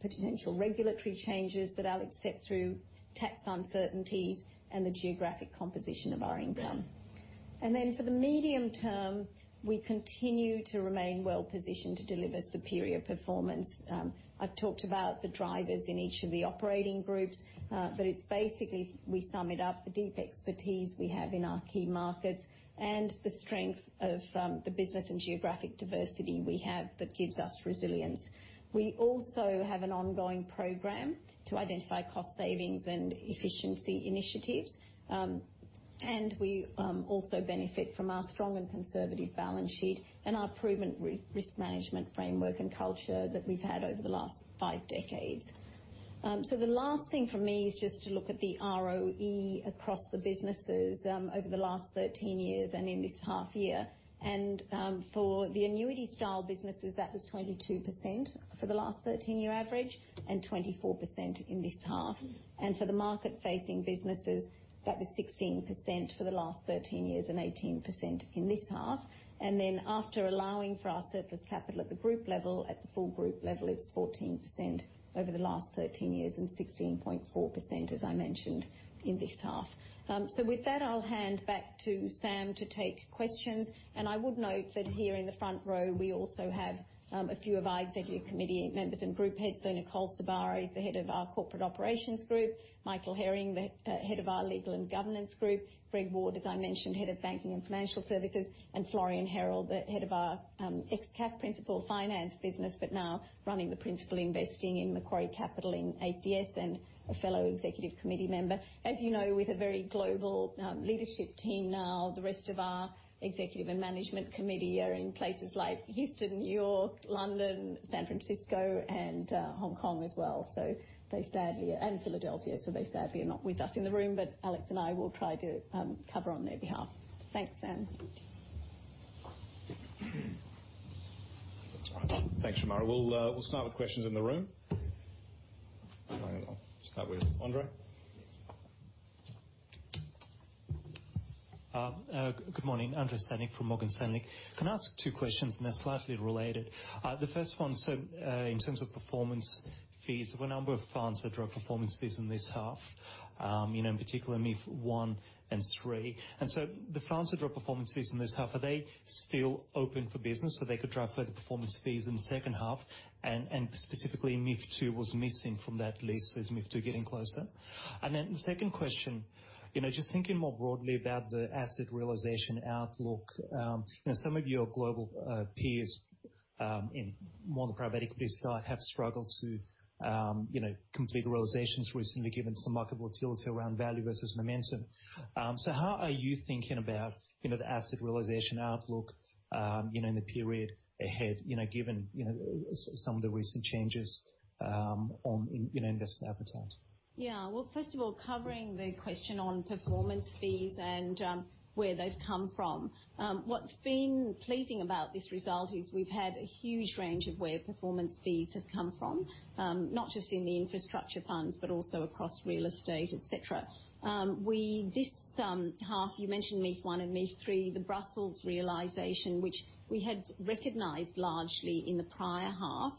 potential regulatory changes that Alex said through tax uncertainties, and the geographic composition of our income. For the medium term, we continue to remain well positioned to deliver superior performance. I have talked about the drivers in each of the operating groups, but basically we sum it up, the deep expertise we have in our key markets and the strength of the business and geographic diversity we have that gives us resilience. We also have an ongoing program to identify cost savings and efficiency initiatives. We also benefit from our strong and conservative balance sheet and our proven risk management framework and culture that we have had over the last five decades. The last thing for me is just to look at the ROE across the businesses over the last 13 years and in this half year. For the annuity style businesses, that was 22% for the last 13-year average and 24% in this half. For the market-facing businesses, that was 16% for the last 13 years and 18% in this half. After allowing for our surplus capital at the group level, at the full group level, it was 14% over the last 13 years and 16.4%, as I mentioned, in this half. With that, I'll hand back to Sam to take questions. I would note that here in the front row, we also have a few of our executive committee members and group heads. Nicole Sabara is the Head of our Corporate Operations Group, Michael Herring, the Head of our Legal and Governance Group, Greg Ward, as I mentioned, Head of Banking and Financial Services, and Florian Herold, the Head of our ex-CAF Principal Finance business but now running the Principal Investing in Macquarie Capital in ACS and a fellow executive committee member. As you know, with a very global leadership team now, the rest of our executive and management committee are in places like Houston, New York, London, San Francisco, and Hong Kong as well. They sadly are in Philadelphia. They sadly are not with us in the room. Alex and I will try to cover on their behalf. Thanks, Sam. Thanks, Shemara. We'll start with questions in the room. I'll start with Andrei. Good morning. Andrei Stadnik from Morgan Stanley. Can I ask two questions? They're slightly related. The first one, in terms of performance fees, there were a number of funds that dropped performance fees in this half, you know, in particular MAIF1 and 3. The funds that dropped performance fees in this half, are they still open for business so they could drive further performance fees in the second half? Specifically, MAIF2was missing from that list. Is MAIF2 getting closer? The second question, just thinking more broadly about the asset realization outlook, some of your global peers, in more of the parametric side, have struggled to complete the realizations recently given some market volatility around value versus momentum. How are you thinking about, you know, the asset realization outlook, you know, in the period ahead, you know, given, you know, some of the recent changes, on, you know, investment appetite? Yeah. First of all, covering the question on performance fees and where they've come from, what's been pleasing about this result is we've had a huge range of where performance fees have come from, not just in the infrastructure funds but also across real estate, et cetera. This half, you mentioned MAIF1 and MAIF3, the Brussels realization, which we had recognized largely in the prior half,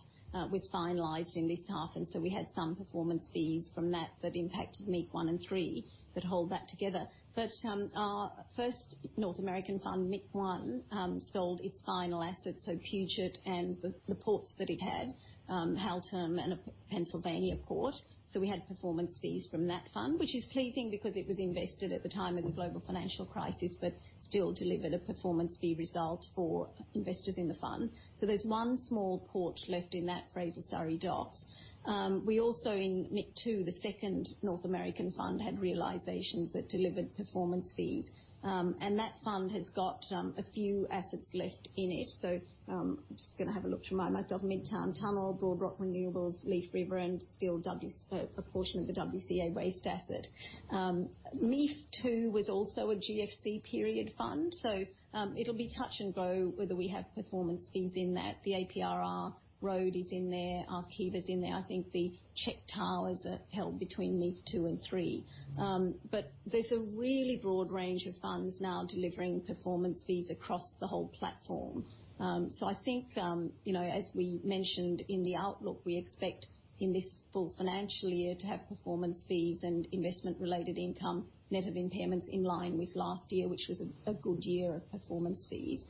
was finalized in this half. We had some performance fees from that that impacted MAIF1 and 3 that hold that together. Our first North American fund, MAIF1, sold its final assets, so Puget and the ports that it had, Halterm and a Pennsylvania port. We had performance fees from that fund, which is pleasing because it was invested at the time of the global financial crisis but still delivered a performance fee result for investors in the fund. There is one small port left in that Fraser Surrey Docks. We also in MAIF2, the second North American fund, had realizations that delivered performance fees. That fund has got a few assets left in it. I'm just gonna have a look to remind myself, Midtown Tunnel, Broad Rock, Renewables, Leith River, and still a portion of the WCA waste asset. MAIF2 was also a GFC period fund. It will be touch and go whether we have performance fees in that. The APRR road is in there. Archive is in there. I think the check towers are held between MAIF2 and 3. There is a really broad range of funds now delivering performance fees across the whole platform. I think, you know, as we mentioned in the outlook, we expect in this full financial year to have performance fees and investment-related income, net of impairments, in line with last year, which was a good year of performance fees.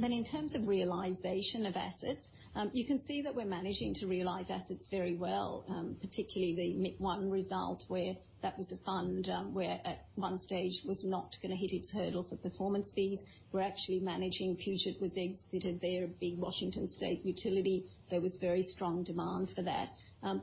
In terms of realization of assets, you can see that we're managing to realize assets very well, particularly the MAIF1 result where that was a fund where at one stage was not gonna hit its hurdle for performance fees. We're actually managing Puget was exited there, being Washington State Utility. There was very strong demand for that.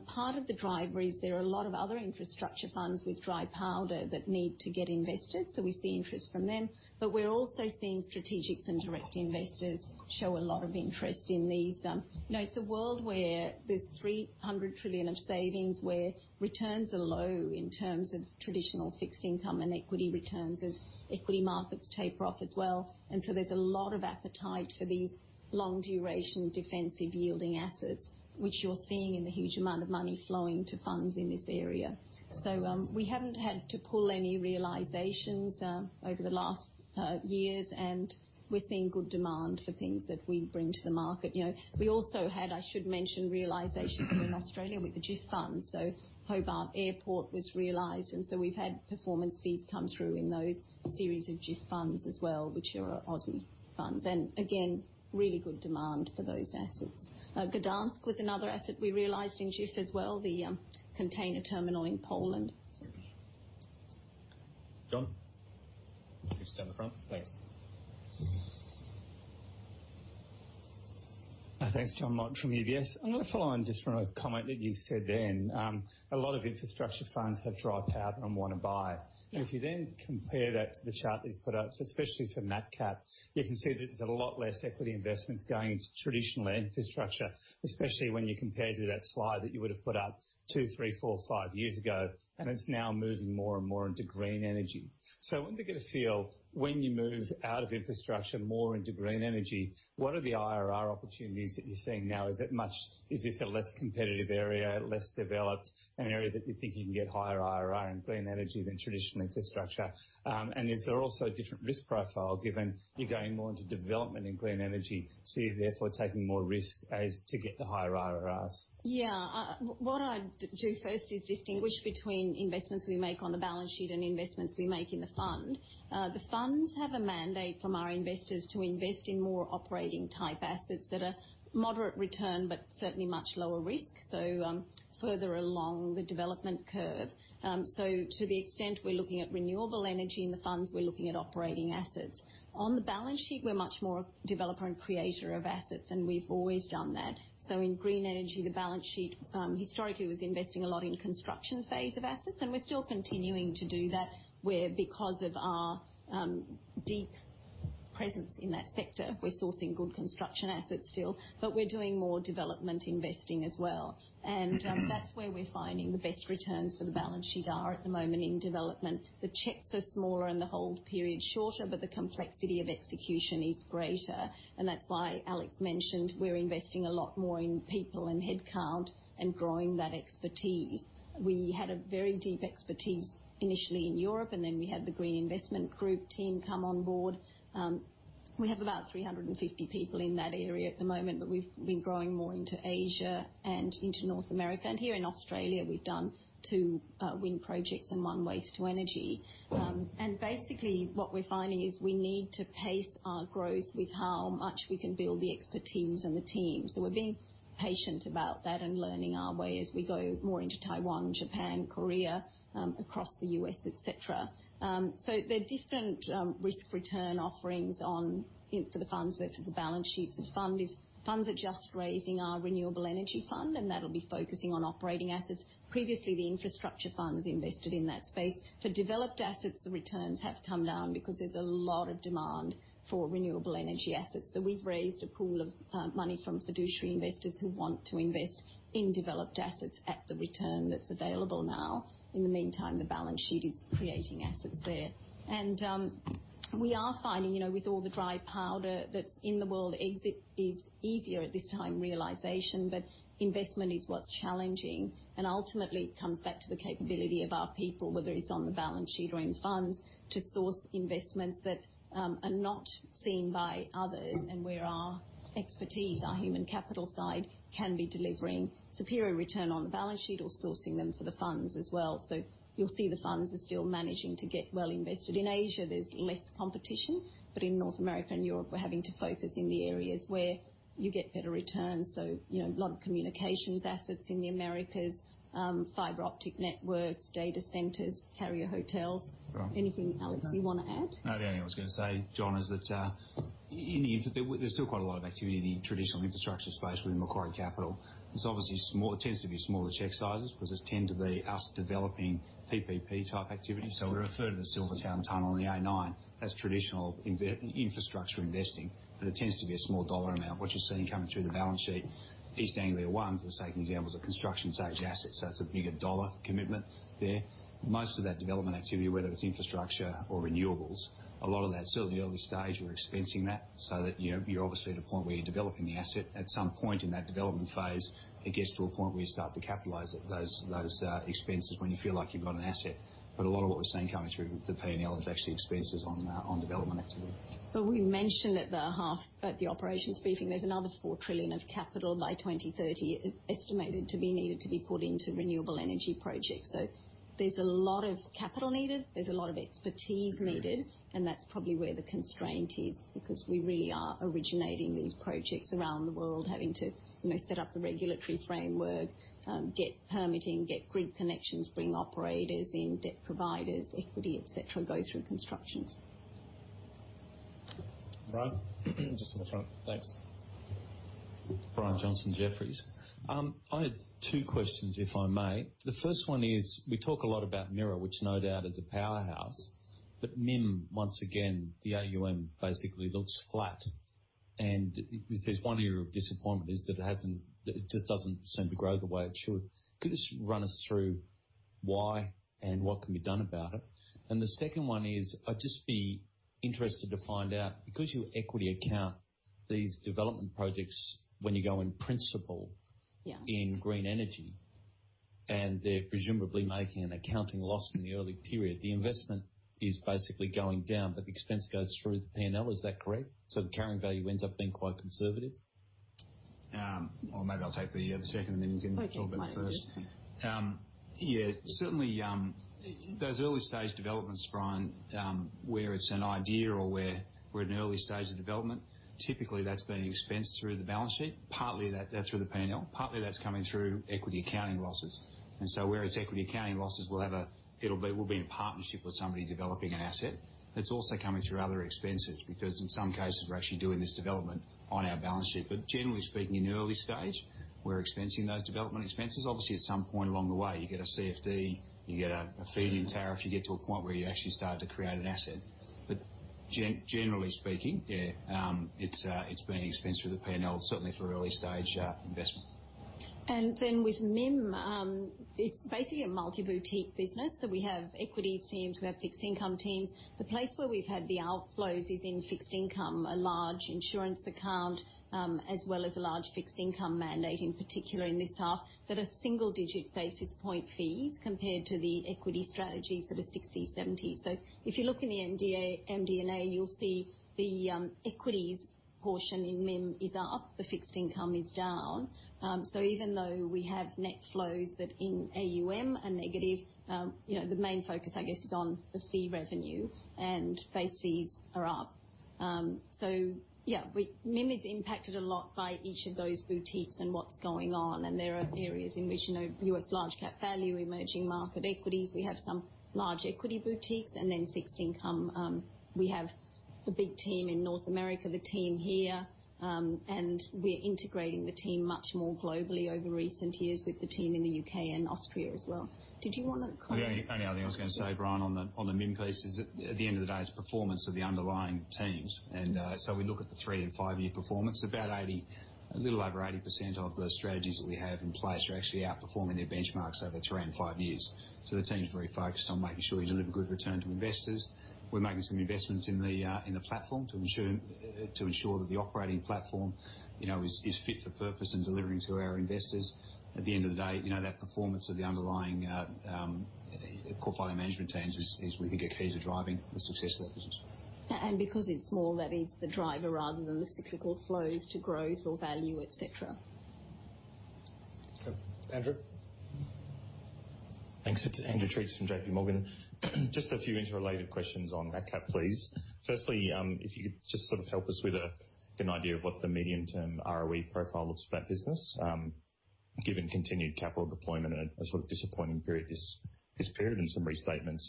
Part of the driver is there are a lot of other infrastructure funds with dry powder that need to get investors. We see interest from them. We're also seeing strategics and direct investors show a lot of interest in these. You know, it's a world where there's 300 trillion of savings where returns are low in terms of traditional fixed income and equity returns as equity markets taper off as well. There is a lot of appetite for these long-duration defensive yielding assets, which you're seeing in the huge amount of money flowing to funds in this area. We haven't had to pull any realizations over the last years. We're seeing good demand for things that we bring to the market. You know, we also had, I should mention, realizations in Australia with the GIF funds. Hobart Airport was realized. We've had performance fees come through in those series of GIF funds as well, which are Aussie funds. Again, really good demand for those assets. Gdansk was another asset we realized in GIF as well, the container terminal in Poland. Jon, thanks for coming front. Thanks. Thanks, Jon Mott from UBS. I'm gonna follow on just from a comment that you said then. A lot of infrastructure funds have dry powder and want to buy. If you then compare that to the chart that you've put up, especially for NATCAP, you can see that there's a lot less equity investments going into traditional infrastructure, especially when you compare to that slide that you would have put up two, three, four, five years ago. It's now moving more and more into green energy. I wanted to get a feel when you move out of infrastructure more into green energy, what are the IRR opportunities that you're seeing now? Is it much? Is this a less competitive area, less developed, an area that you think you can get higher IRR in green energy than traditional infrastructure? Is there also a different risk profile given you're going more into development in green energy? You're therefore taking more risk as to get the higher IRRs? Yeah. What I do first is distinguish between investments we make on the balance sheet and investments we make in the fund. The funds have a mandate from our investors to invest in more operating-type assets that are moderate return but certainly much lower risk. Further along the development curve, to the extent we're looking at renewable energy in the funds, we're looking at operating assets. On the balance sheet, we're much more a developer and creator of assets. We've always done that. In green energy, the balance sheet historically was investing a lot in construction phase of assets. We're still continuing to do that where, because of our deep presence in that sector, we're sourcing good construction assets still. We're doing more development investing as well. That's where we're finding the best returns for the balance sheet are at the moment in development. The checks are smaller and the hold period shorter, but the complexity of execution is greater. That's why Alex mentioned we're investing a lot more in people and headcount and growing that expertise. We had a very deep expertise initially in Europe. Then we had the Green Investment Group team come on board. We have about 350 people in that area at the moment. We've been growing more into Asia and into North America. Here in Australia, we've done two wind projects and one waste to energy. Basically what we're finding is we need to pace our growth with how much we can build the expertise and the team. We are being patient about that and learning our way as we go more into Taiwan, Japan, Korea, across the U.S., et cetera. There are different risk-return offerings on, you know, for the funds versus the balance sheets of funds. Funds are just raising our renewable energy fund, and that will be focusing on operating assets. Previously, the infrastructure funds invested in that space. For developed assets, the returns have come down because there is a lot of demand for renewable energy assets. We have raised a pool of money from fiduciary investors who want to invest in developed assets at the return that is available now. In the meantime, the balance sheet is creating assets there. We are finding, you know, with all the dry powder that is in the world, exit is easier at this time of realization. Investment is what is challenging. Ultimately, it comes back to the capability of our people, whether it's on the balance sheet or in funds, to source investments that are not seen by others and where our expertise, our human capital side can be delivering superior return on the balance sheet or sourcing them for the funds as well. You'll see the funds are still managing to get well invested. In Asia, there's less competition. In North America and Europe, we're having to focus in the areas where you get better returns. You know, a lot of communications assets in the Americas, fiber optic networks, data centers, carrier hotels. Anything, Alex, you wanna add? The only thing I was gonna say, Jon, is that, in the infra, there's still quite a lot of activity in the traditional infrastructure space within Macquarie Capital. It's obviously small. It tends to be smaller check sizes because it's tend to be us developing PPP-type activity. We refer to the Silvertown Tunnel and the A9. That's traditional infrastructure investing. It tends to be a small dollar amount, what you're seeing coming through the balance sheet. East Anglia One, for the sake of example, is a construction-savage asset. It's a bigger dollar commitment there. Most of that development activity, whether it's infrastructure or renewables, a lot of that's certainly early stage. We're expensing that so that, you know, you're obviously at a point where you're developing the asset. At some point in that development phase, it gets to a point where you start to capitalize those expenses when you feel like you've got an asset. A lot of what we're seeing coming through the P&L is actually expenses on development activity. We mentioned at the half, at the operations briefing, there's another 4 trillion of capital by 2030 estimated to be needed to be put into renewable energy projects. There is a lot of capital needed. There is a lot of expertise needed. That is probably where the constraint is because we really are originating these projects around the world, having to, you know, set up the regulatory framework, get permitting, get grid connections, bring operators in, debt providers, equity, et cetera, go through constructions. Brian, just on the front. Thanks. I had two questions if I may. The first one is we talk a lot about MIRA, which no doubt is a powerhouse. But MIM, once again, the AUM basically looks flat. And there's one area of disappointment is that it hasn't, it just doesn't seem to grow the way it should. Could you just run us through why and what can be done about it? The second one is I'd just be interested to find out because your equity account, these development projects, when you go in principle in green energy and they're presumably making an accounting loss in the early period, the investment is basically going down but the expense goes through the P&L. Is that correct? The carrying value ends up being quite conservative? Maybe I'll take the second and then we can talk about the first. Yeah, certainly, those early stage developments, Brian, where it's an idea or where we're in early stage of development, typically that's been expensed through the balance sheet. Partly that through the P&L. Partly that's coming through equity accounting losses. And so where it's equity accounting losses, we'll have a, it'll be, we'll be in partnership with somebody developing an asset. It's also coming through other expenses because in some cases we're actually doing this development on our balance sheet. Generally speaking, in early stage, we're expensing those development expenses. Obviously, at some point along the way, you get a CFD, you get a feed-in tariff, you get to a point where you actually start to create an asset. Generally speaking, yeah, it's being expensed through the P&L, certainly for early stage investment. With MIM, it's basically a multi-boutique business. We have equities teams. We have fixed income teams. The place where we've had the outflows is in fixed income, a large insurance account, as well as a large fixed income mandate in particular in this half that are single-digit basis point fees compared to the equity strategies that are 60s, 70s. If you look in the MD&A, you'll see the equities portion in MIM is up. The fixed income is down. Even though we have net flows that in AUM are negative, you know, the main focus, I guess, is on the fee revenue and base fees are up. MIM is impacted a lot by each of those boutiques and what's going on. There are areas in which, you know, U.S. large-cap value, emerging market equities, we have some large equity boutiques. Fixed income, we have the big team in North America, the team here, and we're integrating the team much more globally over recent years with the team in the U.K. and Austria as well. Did you wanna comment? The only, only other thing I was gonna say, Brian, on the, on the MIM piece is that at the end of the day, it's performance of the underlying teams. We look at the three and five-year performance. About 80, a little over 80% of the strategies that we have in place are actually outperforming their benchmarks over three and five years. The team's very focused on making sure you deliver good return to investors. We're making some investments in the, in the platform to ensure, to ensure that the operating platform, you know, is, is fit for purpose and delivering to our investors. At the end of the day, you know, that performance of the underlying, portfolio management teams is, is we think are key to driving the success of that business. Because it's small, that is the driver rather than the cyclical flows to growth or value, et cetera. Okay. Andrew? Thanks. It's Andrew Treats from JPMorgan. Just a few interrelated questions on NATCAP, please. Firstly, if you could just sort of help us with an idea of what the medium-term ROE profile looks for that business, given continued capital deployment in a sort of disappointing period this period and some restatements,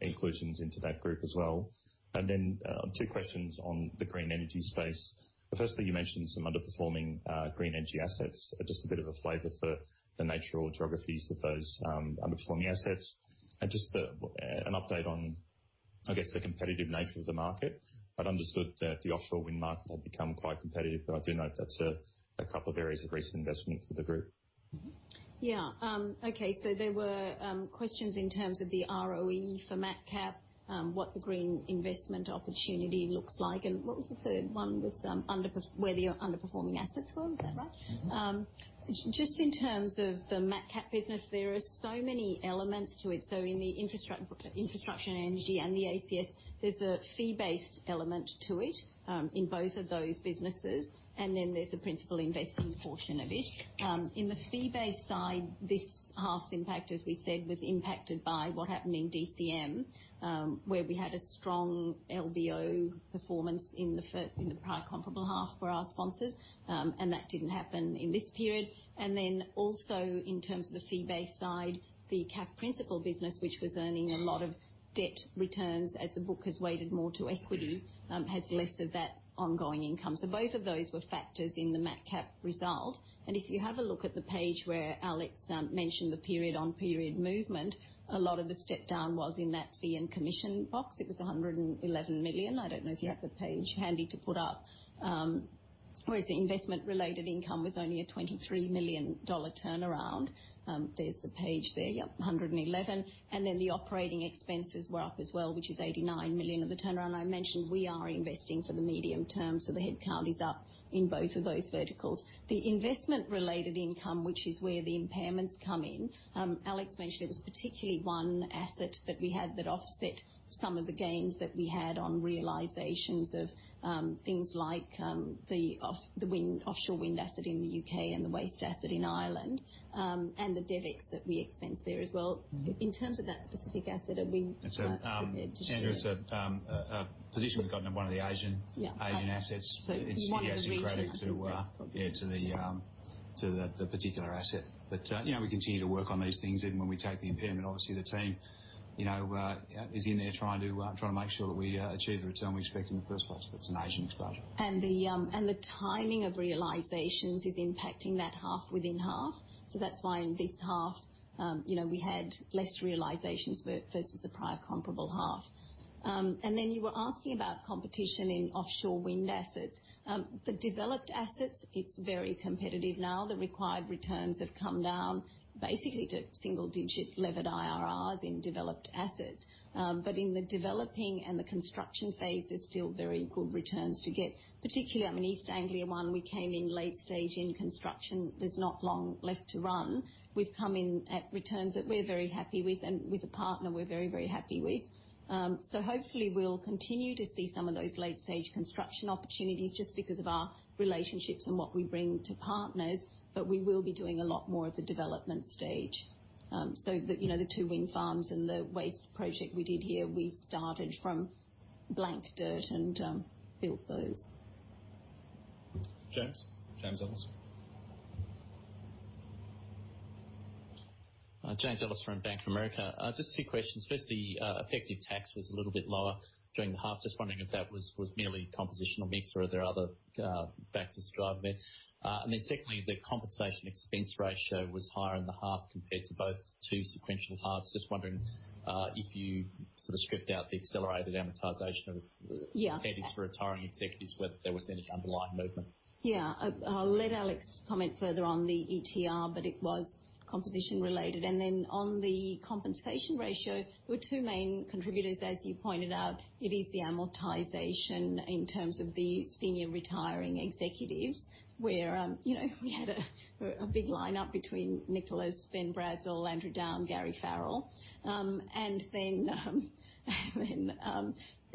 inclusions into that group as well. Two questions on the green energy space. Firstly, you mentioned some underperforming green energy assets. Just a bit of a flavor for the nature or geographies of those underperforming assets. Just the, an update on, I guess, the competitive nature of the market. I'd understood that the offshore wind market had become quite competitive. I do know that's a couple of areas of recent investment for the Group. Yeah. Okay. There were questions in terms of the ROE for NATCAP, what the green investment opportunity looks like. And what was the third one? Was, where the underperforming assets were. Was that right? Just in terms of the NATCAP business, there are so many elements to it. In the infrastructure, infrastructure and energy and the ACS, there's a fee-based element to it, in both of those businesses. And then there's a principal investing portion of it. In the fee-based side, this half's impact, as we said, was impacted by what happened in DCM, where we had a strong LBO performance in the prior comparable half for our sponsors. And that did not happen in this period. Also in terms of the fee-based side, the CAF principal business, which was earning a lot of debt returns as the book has weighted more to equity, has less of that ongoing income. Both of those were factors in the NATCAP result. If you have a look at the page where Alex mentioned the period-on-period movement, a lot of the step down was in that fee and commission box. It was 111 million. I do not know if you have the page handy to put up. Whereas the investment-related income was only a 23 million dollar turnaround. There is the page there. Yes, 111 million. The operating expenses were up as well, which is 89 million of the turnaround. I mentioned we are investing for the medium term. The headcount is up in both of those verticals. The investment-related income, which is where the impairments come in, Alex mentioned it was particularly one asset that we had that offset some of the gains that we had on realizations of things like the offshore wind asset in the U.K. and the waste asset in Ireland, and the devics that we expense there as well. In terms of that specific asset, are we compared to share? As Andrew said, a position we've got in one of the Asian assets. It's one of the reasons that. Yeah, it's regretting to the particular asset. You know, we continue to work on these things. Even when we take the impairment, obviously the team, you know, is in there trying to make sure that we achieve the return we expect in the first place. It's an Asian exposure. The timing of realizations is impacting that half within half. That is why in this half, you know, we had less realizations versus the prior comparable half. You were asking about competition in offshore wind assets. For developed assets, it is very competitive now. The required returns have come down basically to single-digit levered IRRs in developed assets. In the developing and the construction phase, there are still very good returns to get, particularly, I mean, East Anglia One, we came in late stage in construction. There is not long left to run. We have come in at returns that we are very happy with and with a partner we are very, very happy with. Hopefully we will continue to see some of those late stage construction opportunities just because of our relationships and what we bring to partners. We will be doing a lot more at the development stage. So the, you know, the two wind farms and the waste project we did here, we started from blank dirt and built those. James? James Ellis. Just two questions. Firstly, effective tax was a little bit lower during the half. Just wondering if that was merely compositional mix or are there other factors driving it? Then secondly, the compensation expense ratio was higher in the half compared to both two sequential halves. Just wondering if you sort of stripped out the accelerated amortization of executives for retiring executives, whether there was any underlying movement. Yeah. I'll let Alex comment further on the ETR, but it was composition related. On the compensation ratio, there were two main contributors, as you pointed out. It is the amortization in terms of the senior retiring executives where, you know, we had a big lineup between Nicholas, Ben Brazil, Andrew Down, Gary Farrell.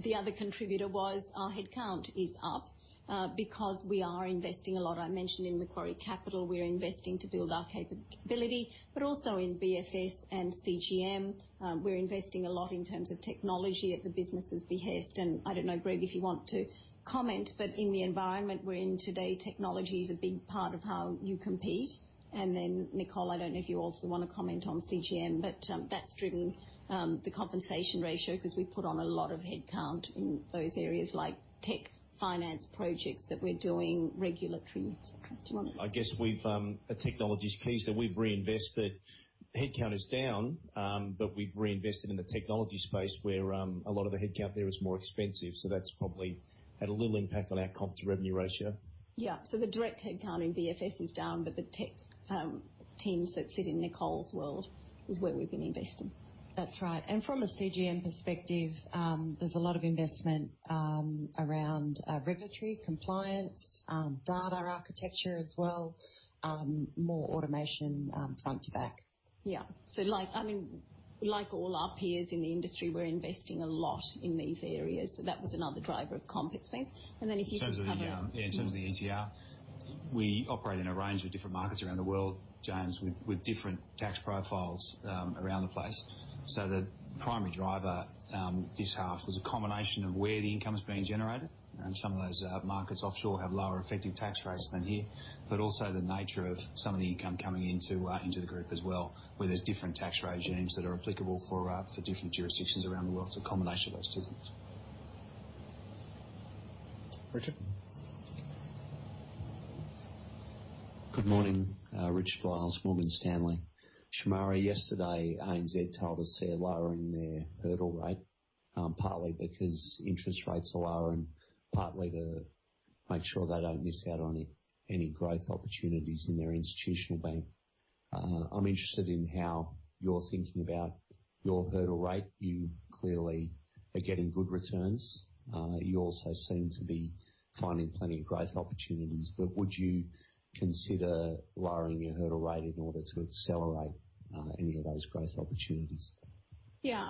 The other contributor was our headcount is up, because we are investing a lot. I mentioned in Macquarie Capital, we're investing to build our capability, but also in BFS and CGM. We're investing a lot in terms of technology at the businesses' behest. I don't know, Greg, if you want to comment, but in the environment we're in today, technology is a big part of how you compete. Nicole, I do not know if you also want to comment on CGM, but that is driven, the compensation ratio because we put on a lot of headcount in those areas like tech finance projects that we are doing, regulatory, et cetera. Do you want to? I guess we've, a technology piece that we've reinvested. Headcount is down, but we've reinvested in the technology space where, a lot of the headcount there is more expensive. So that's probably had a little impact on our comp to revenue ratio. Yeah. The direct headcount in BFS is down, but the tech teams that sit in Nicole's world is where we've been investing. That's right. From a CGM perspective, there's a lot of investment around regulatory compliance, data architecture as well, more automation, front to back. Yeah. Like, I mean, like all our peers in the industry, we're investing a lot in these areas. That was another driver of comp expense. If you think about. In terms of the, yeah, in terms of the ETR, we operate in a range of different markets around the world, James, with different tax profiles around the place. The primary driver this half was a combination of where the income's being generated. Some of those markets offshore have lower effective tax rates than here, but also the nature of some of the income coming into the group as well, where there's different tax regimes that are applicable for different jurisdictions around the world. A combination of those two things. Richard? Good morning. Richard Wiles, Morgan Stanley. Shemara, yesterday, ANZ told us they're lowering their hurdle rate, partly because interest rates are lower and partly to make sure they don't miss out on any, any growth opportunities in their institutional bank. I'm interested in how you're thinking about your hurdle rate. You clearly are getting good returns. You also seem to be finding plenty of growth opportunities. Would you consider lowering your hurdle rate in order to accelerate any of those growth opportunities? Yeah.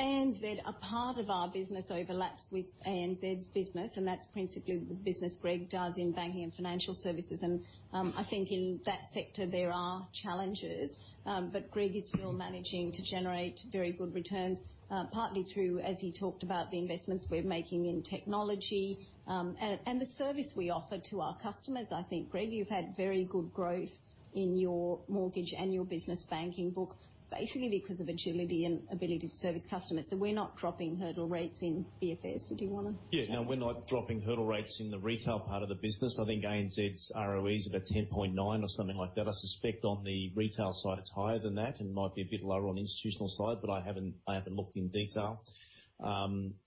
ANZ, a part of our business overlaps with ANZ's business. That is principally the business Greg does in Banking and Financial Services. I think in that sector there are challenges. Greg is still managing to generate very good returns, partly through, as he talked about, the investments we are making in technology, and the service we offer to our customers. I think, Greg, you have had very good growth in your mortgage and your business banking book, basically because of agility and ability to service customers. We are not dropping hurdle rates in BFS. Did you wanna? Yeah. No, we're not dropping hurdle rates in the retail part of the business. I think ANZ's ROE is about 10.9 or something like that. I suspect on the retail side it's higher than that and might be a bit lower on the institutional side, but I haven't looked in detail.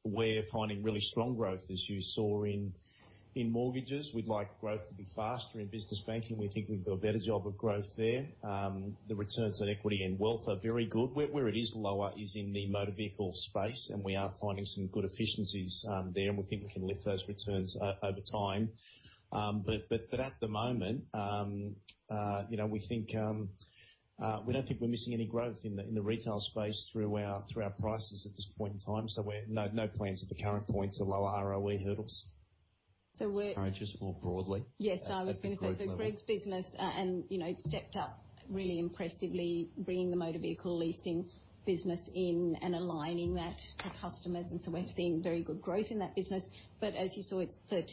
We're finding really strong growth as you saw in mortgages. We'd like growth to be faster in business banking. We think we can do a better job of growth there. The returns on equity and wealth are very good. Where it is lower is in the motor vehicle space. We are finding some good efficiencies there, and we think we can lift those returns over time. At the moment, you know, we think, we do not think we are missing any growth in the retail space through our prices at this point in time. There are no plans at the current point to lower ROE hurdles. So. Charges more broadly. Yes, I was gonna say. Greg's business, and, you know, it stepped up really impressively bringing the motor vehicle leasing business in and aligning that to customers. We have seen very good growth in that business. As you saw, it is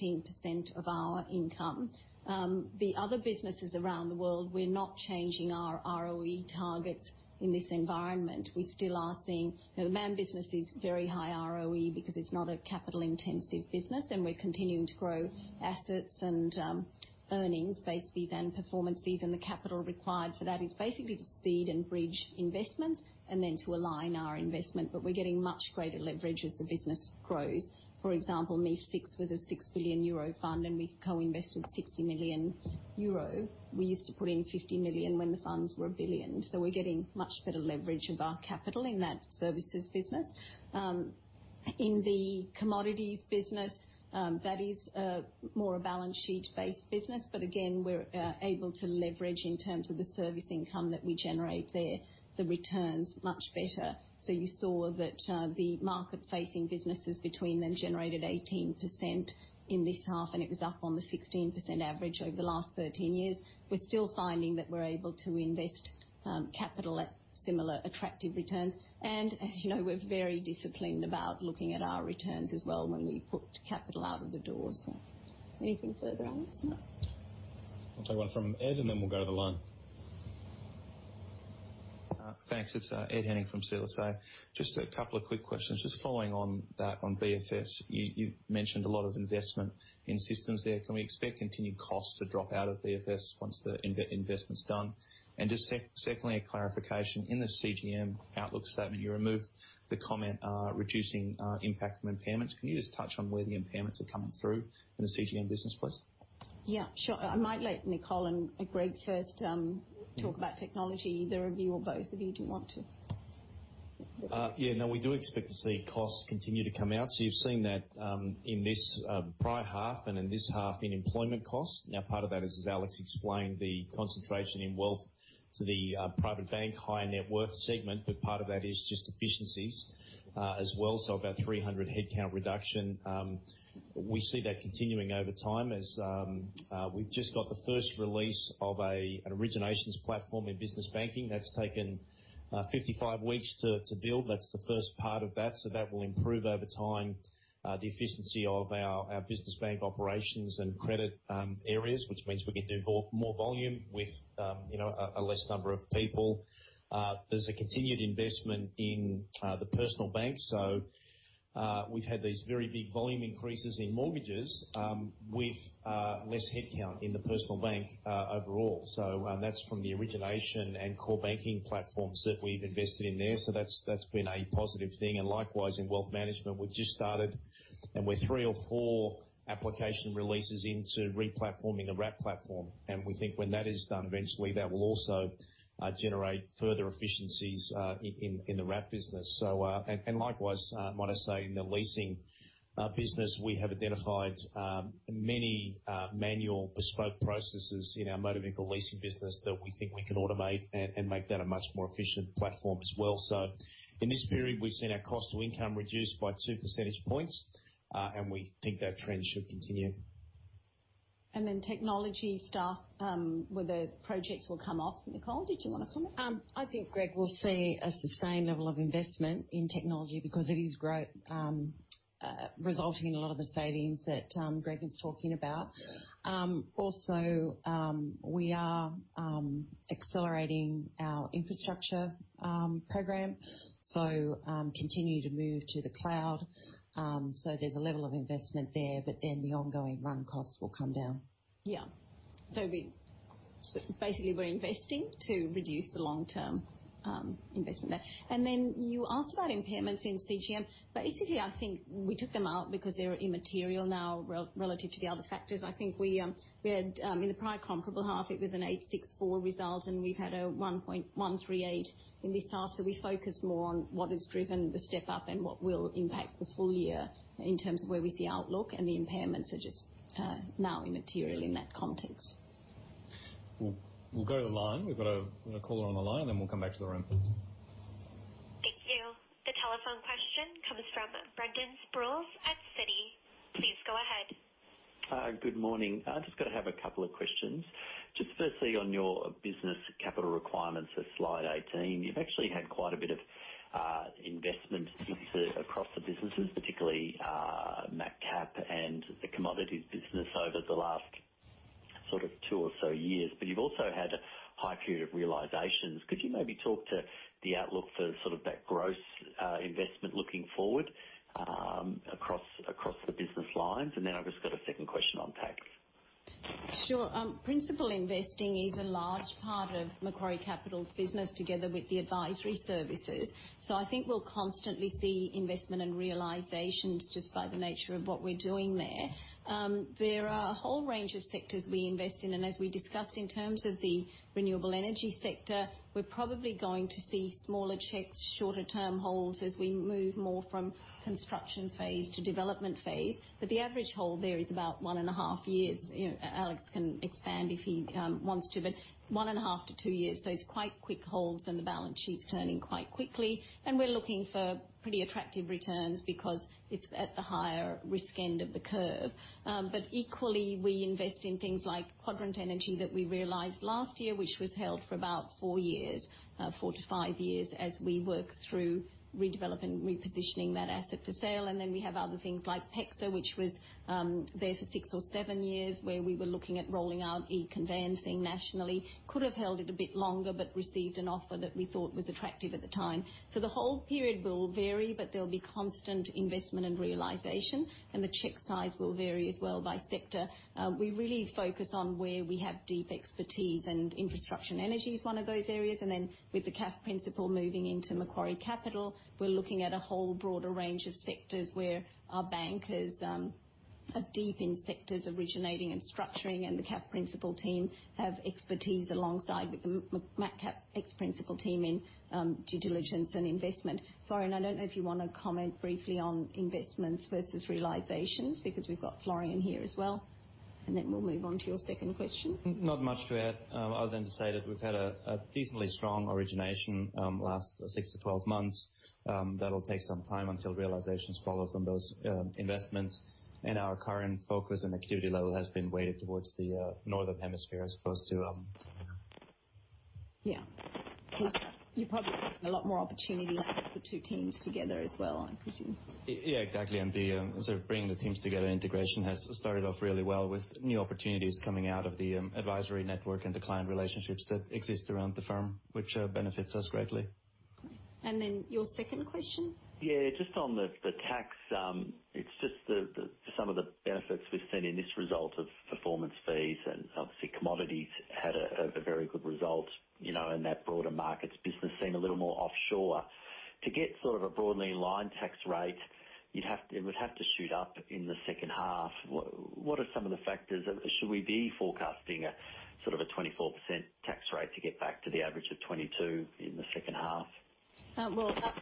13% of our income. The other businesses around the world, we are not changing our ROE targets in this environment. We still are seeing, you know, the MAM business is very high ROE because it is not a capital-intensive business. We are continuing to grow assets and earnings-based fees and performance fees. The capital required for that is basically to seed and bridge investments and then to align our investment. We are getting much greater leverage as the business grows. For example, MAIF6 was a 6 billion euro fund, and we co-invested 60 million euro. We used to put in 50 million when the funds were a billion. We're getting much better leverage of our capital in that services business. In the commodities business, that is more a balance sheet-based business. Again, we're able to leverage in terms of the service income that we generate there, the returns much better. You saw that the market-facing businesses between them generated 18% in this half. It was up on the 16% average over the last 13 years. We're still finding that we're able to invest capital at similar attractive returns. You know, we're very disciplined about looking at our returns as well when we put capital out of the door as well. Anything further on this? I'll take one from Ed, and then we'll go to the line. Thanks. It's Ed Henning from CLSA. Just a couple of quick questions. Just following on that, on BFS, you mentioned a lot of investment in systems there. Can we expect continued costs to drop out of BFS once the investment's done? Just secondly, a clarification. In the CGM outlook statement, you removed the comment, reducing impact from impairments. Can you just touch on where the impairments are coming through in the CGM business, please? Yeah. Sure. I might let Nicole and Greg first, talk about technology. Either of you or both of you, do you want to? Yeah. No, we do expect to see costs continue to come out. You have seen that, in this prior half and in this half in employment costs. Now, part of that is, as Alex explained, the concentration in wealth to the private bank, higher net worth segment. Part of that is just efficiencies, as well. About 300 headcount reduction. We see that continuing over time as we have just got the first release of an originations platform in business banking. That has taken 55 weeks to build. That is the first part of that. That will improve over time the efficiency of our business bank operations and credit areas, which means we can do more volume with, you know, a less number of people. There is a continued investment in the personal bank. We've had these very big volume increases in mortgages, with less headcount in the personal bank overall. That's from the origination and core banking platforms that we've invested in there. That's been a positive thing. Likewise, in wealth management, we've just started, and we're three or four application releases into replatforming the wrap platform. We think when that is done, eventually that will also generate further efficiencies in the wrap business. Likewise, might I say, in the leasing business, we have identified many manual bespoke processes in our motor vehicle leasing business that we think we can automate and make that a much more efficient platform as well. In this period, we've seen our cost to income reduced by two percentage points, and we think that trend should continue. Then technology stuff, where the projects will come off. Nicole, did you wanna comment? I think Greg will see a sustained level of investment in technology because it is great, resulting in a lot of the savings that Greg is talking about. Also, we are accelerating our infrastructure program. We continue to move to the cloud, so there's a level of investment there, but then the ongoing run costs will come down. Yeah. We're basically investing to reduce the long-term investment there. You asked about impairments in CGM. I think we took them out because they're immaterial now relative to the other factors. I think we had, in the prior comparable half, it was an 864 result, and we've had a 1.138 in this half. We focus more on what has driven the step up and what will impact the full year in terms of where we see outlook. The impairments are just now immaterial in that context. We'll go to the line. We've got a caller on the line, and then we'll come back to the room. Thank you. The telephone question comes from Brendan Sproules at Citi. Please go ahead. Good morning. I've just got a couple of questions. Just firstly, on your business capital requirements for slide 18, you've actually had quite a bit of investment across the businesses, particularly Macquarie Capital and the commodities business over the last sort of two or so years. You have also had a high period of realizations. Could you maybe talk to the outlook for that gross investment looking forward, across the business lines? I have just got a second question on tax. Sure. Principal investing is a large part of Macquarie Capital's business together with the advisory services. I think we'll constantly see investment and realizations just by the nature of what we're doing there. There are a whole range of sectors we invest in. As we discussed, in terms of the renewable energy sector, we're probably going to see smaller checks, shorter-term holds as we move more from construction phase to development phase. The average hold there is about one and a half years. You know, Alex can expand if he wants to, but one and a half to two years. It is quite quick holds, and the balance sheet's turning quite quickly. We are looking for pretty attractive returns because it's at the higher risk end of the curve. Equally, we invest in things like Quadrant Energy that we realized last year, which was held for about four years, four to five years as we work through redeveloping and repositioning that asset for sale. We have other things like Pexa, which was there for six or seven years where we were looking at rolling out e-conveyancing nationally. Could have held it a bit longer but received an offer that we thought was attractive at the time. The hold period will vary, but there will be constant investment and realization. The check size will vary as well by sector. We really focus on where we have deep expertise. Infrastructure and energy is one of those areas. With the CAF principal moving into Macquarie Capital, we are looking at a whole broader range of sectors where our bankers are deep in sectors originating and structuring. The CAF principal team have expertise alongside with the Maccap ex-principal team in due diligence and investment. Florian, I do not know if you want to comment briefly on investments versus realizations because we have got Florian here as well. We will move on to your second question. Not much to add, other than to say that we've had a decently strong origination, last 6 to 12 months. That'll take some time until realizations follow from those investments. Our current focus and activity level has been weighted towards the northern hemisphere as opposed to, Yeah. You're probably seeing a lot more opportunity now with the two teams together as well, I presume. Yeah, exactly. The, sort of bringing the teams together, integration has started off really well with new opportunities coming out of the advisory network and the client relationships that exist around the firm, which benefits us greatly. Your second question? Yeah. Just on the tax, it's just the, some of the benefits we've seen in this result of performance fees and obviously commodities had a very good result, you know, in that broader markets business seem a little more offshore. To get sort of a broadly aligned tax rate, you'd have to, it would have to shoot up in the second half. What are some of the factors? Should we be forecasting a sort of a 24% tax rate to get back to the average of 22% in the second half?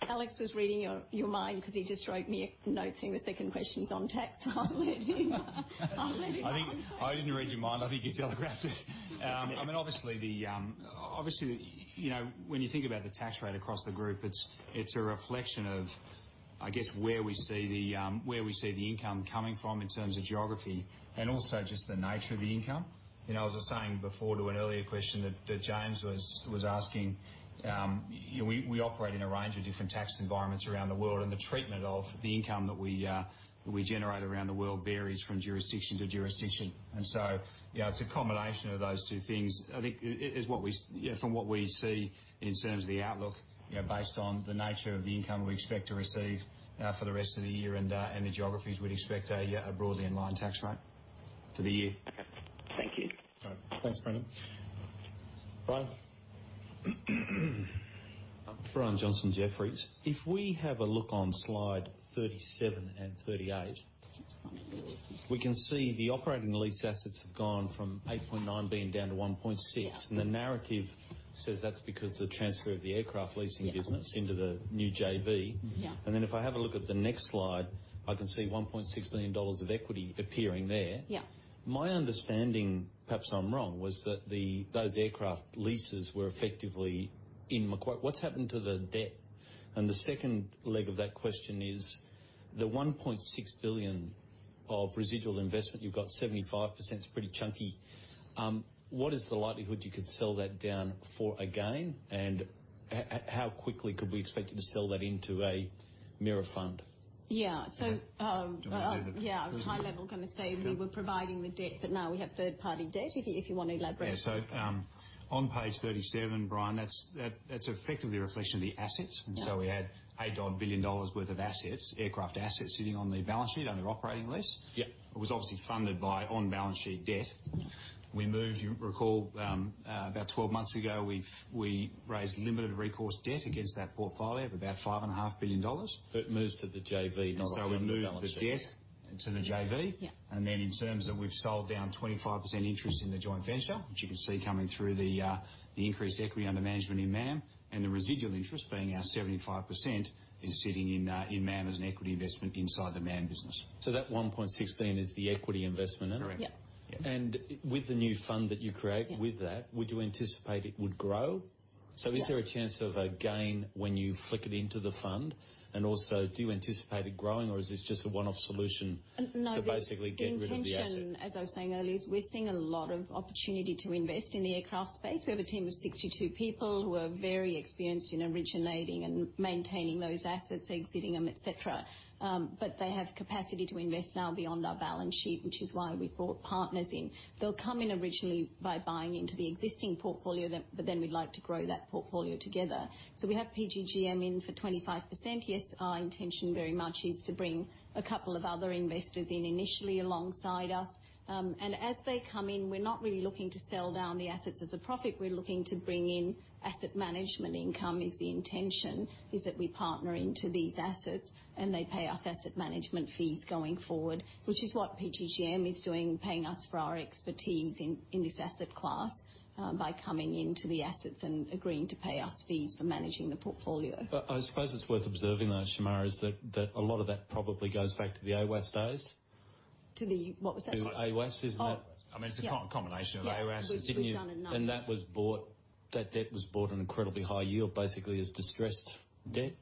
Alex was reading your mind 'cause he just wrote me a note in the second questions on tax. I'll let him, I'll let him answer. I think I didn't read your mind. I think you telegraphed it. I mean, obviously the, obviously the, you know, when you think about the tax rate across the group, it's, it's a reflection of, I guess, where we see the, where we see the income coming from in terms of geography and also just the nature of the income. You know, as I was saying before to an earlier question that, that James was, was asking, you know, we operate in a range of different tax environments around the world. And the treatment of the income that we, we generate around the world varies from jurisdiction to jurisdiction. You know, it's a combination of those two things. I think it is what we, you know, from what we see in terms of the outlook, you know, based on the nature of the income we expect to receive, for the rest of the year and the geographies, we'd expect a broadly aligned tax rate for the year. Okay. Thank you. All right. Thanks, Brendan. Brian. Brian Johnson at Jefferies, if we have a look on slide 37 and 38, we can see the operating lease assets have gone from 8.9 billion down to 1.6 billion. The narrative says that's because of the transfer of the aircraft leasing business into the new JV. Yeah. If I have a look at the next slide, I can see 1.6 billion dollars of equity appearing there. Yeah. My understanding, perhaps I'm wrong, was that those aircraft leases were effectively in Macquarie. What's happened to the debt? The second leg of that question is the 1.6 billion of residual investment, you've got 75%. It's pretty chunky. What is the likelihood you could sell that down for a gain? How quickly could we expect you to sell that into a MIRA fund? Yeah. Yeah, I was high level gonna say we were providing the debt, but now we have third-party debt, if you want to elaborate. Yeah. On page 37, Brian, that's effectively a reflection of the assets. We had 8 billion dollars worth of assets, aircraft assets sitting on the balance sheet under operating lease. Yeah. It was obviously funded by on-balance sheet debt. We moved, you recall, about 12 months ago, we raised limited recourse debt against that portfolio of about 5.5 billion dollars. Moved to the JV, not obviously balance sheet. We moved the debt to the JV. Yeah. In terms of we've sold down 25% interest in the joint venture, which you can see coming through the increased equity under management in MAM. The residual interest being our 75% is sitting in MAM as an equity investment inside the MAM business. That 1.6 billion is the equity investment in it? Correct. Yeah. With the new fund that you create with that, would you anticipate it would grow? Is there a chance of a gain when you flick it into the fund? Also, do you anticipate it growing, or is this just a one-off solution to basically get rid of the asset? The intention, as I was saying earlier, is we're seeing a lot of opportunity to invest in the aircraft space. We have a team of 62 people who are very experienced in originating and maintaining those assets, exiting them, et cetera, but they have capacity to invest now beyond our balance sheet, which is why we've brought partners in. They'll come in originally by buying into the existing portfolio, but then we'd like to grow that portfolio together. We have PGGM in for 25%. Yes, our intention very much is to bring a couple of other investors in initially alongside us. As they come in, we're not really looking to sell down the assets as a profit. We're looking to bring in asset management income is the intention, is that we partner into these assets and they pay us asset management fees going forward, which is what PGGM is doing, paying us for our expertise in, in this asset class, by coming into the assets and agreeing to pay us fees for managing the portfolio. I suppose it's worth observing though, Shemara, that a lot of that probably goes back to the AWAS days. To the, what was that? To AWAS, isn't it? I mean, it's a combination of AWAS and. It was done enough. That debt was bought at an incredibly high yield, basically as distressed debt.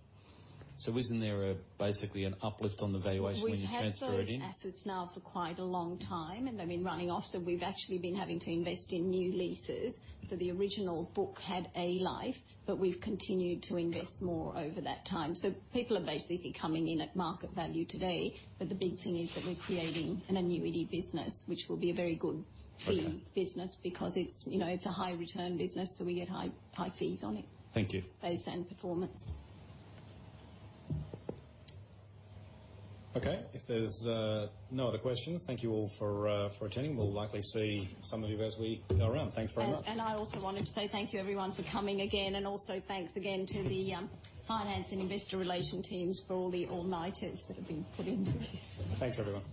So isn't there a, basically an uplift on the valuation when you transfer it in? We have sold assets now for quite a long time. They have been running off. We have actually been having to invest in new leases. The original book had a life, but we have continued to invest more over that time. People are basically coming in at market value today. The big thing is that we are creating an annuity business, which will be a very good fee business because it is, you know, it is a high-return business. We get high, high fees on it. Thank you. Base and performance. Okay. If there's no other questions, thank you all for attending. We'll likely see some of you as we go around. Thanks very much. I also wanted to say thank you, everyone, for coming again. Also, thanks again to the finance and Investor Relations teams for all the all-nighters that have been put into it. Thanks, everyone.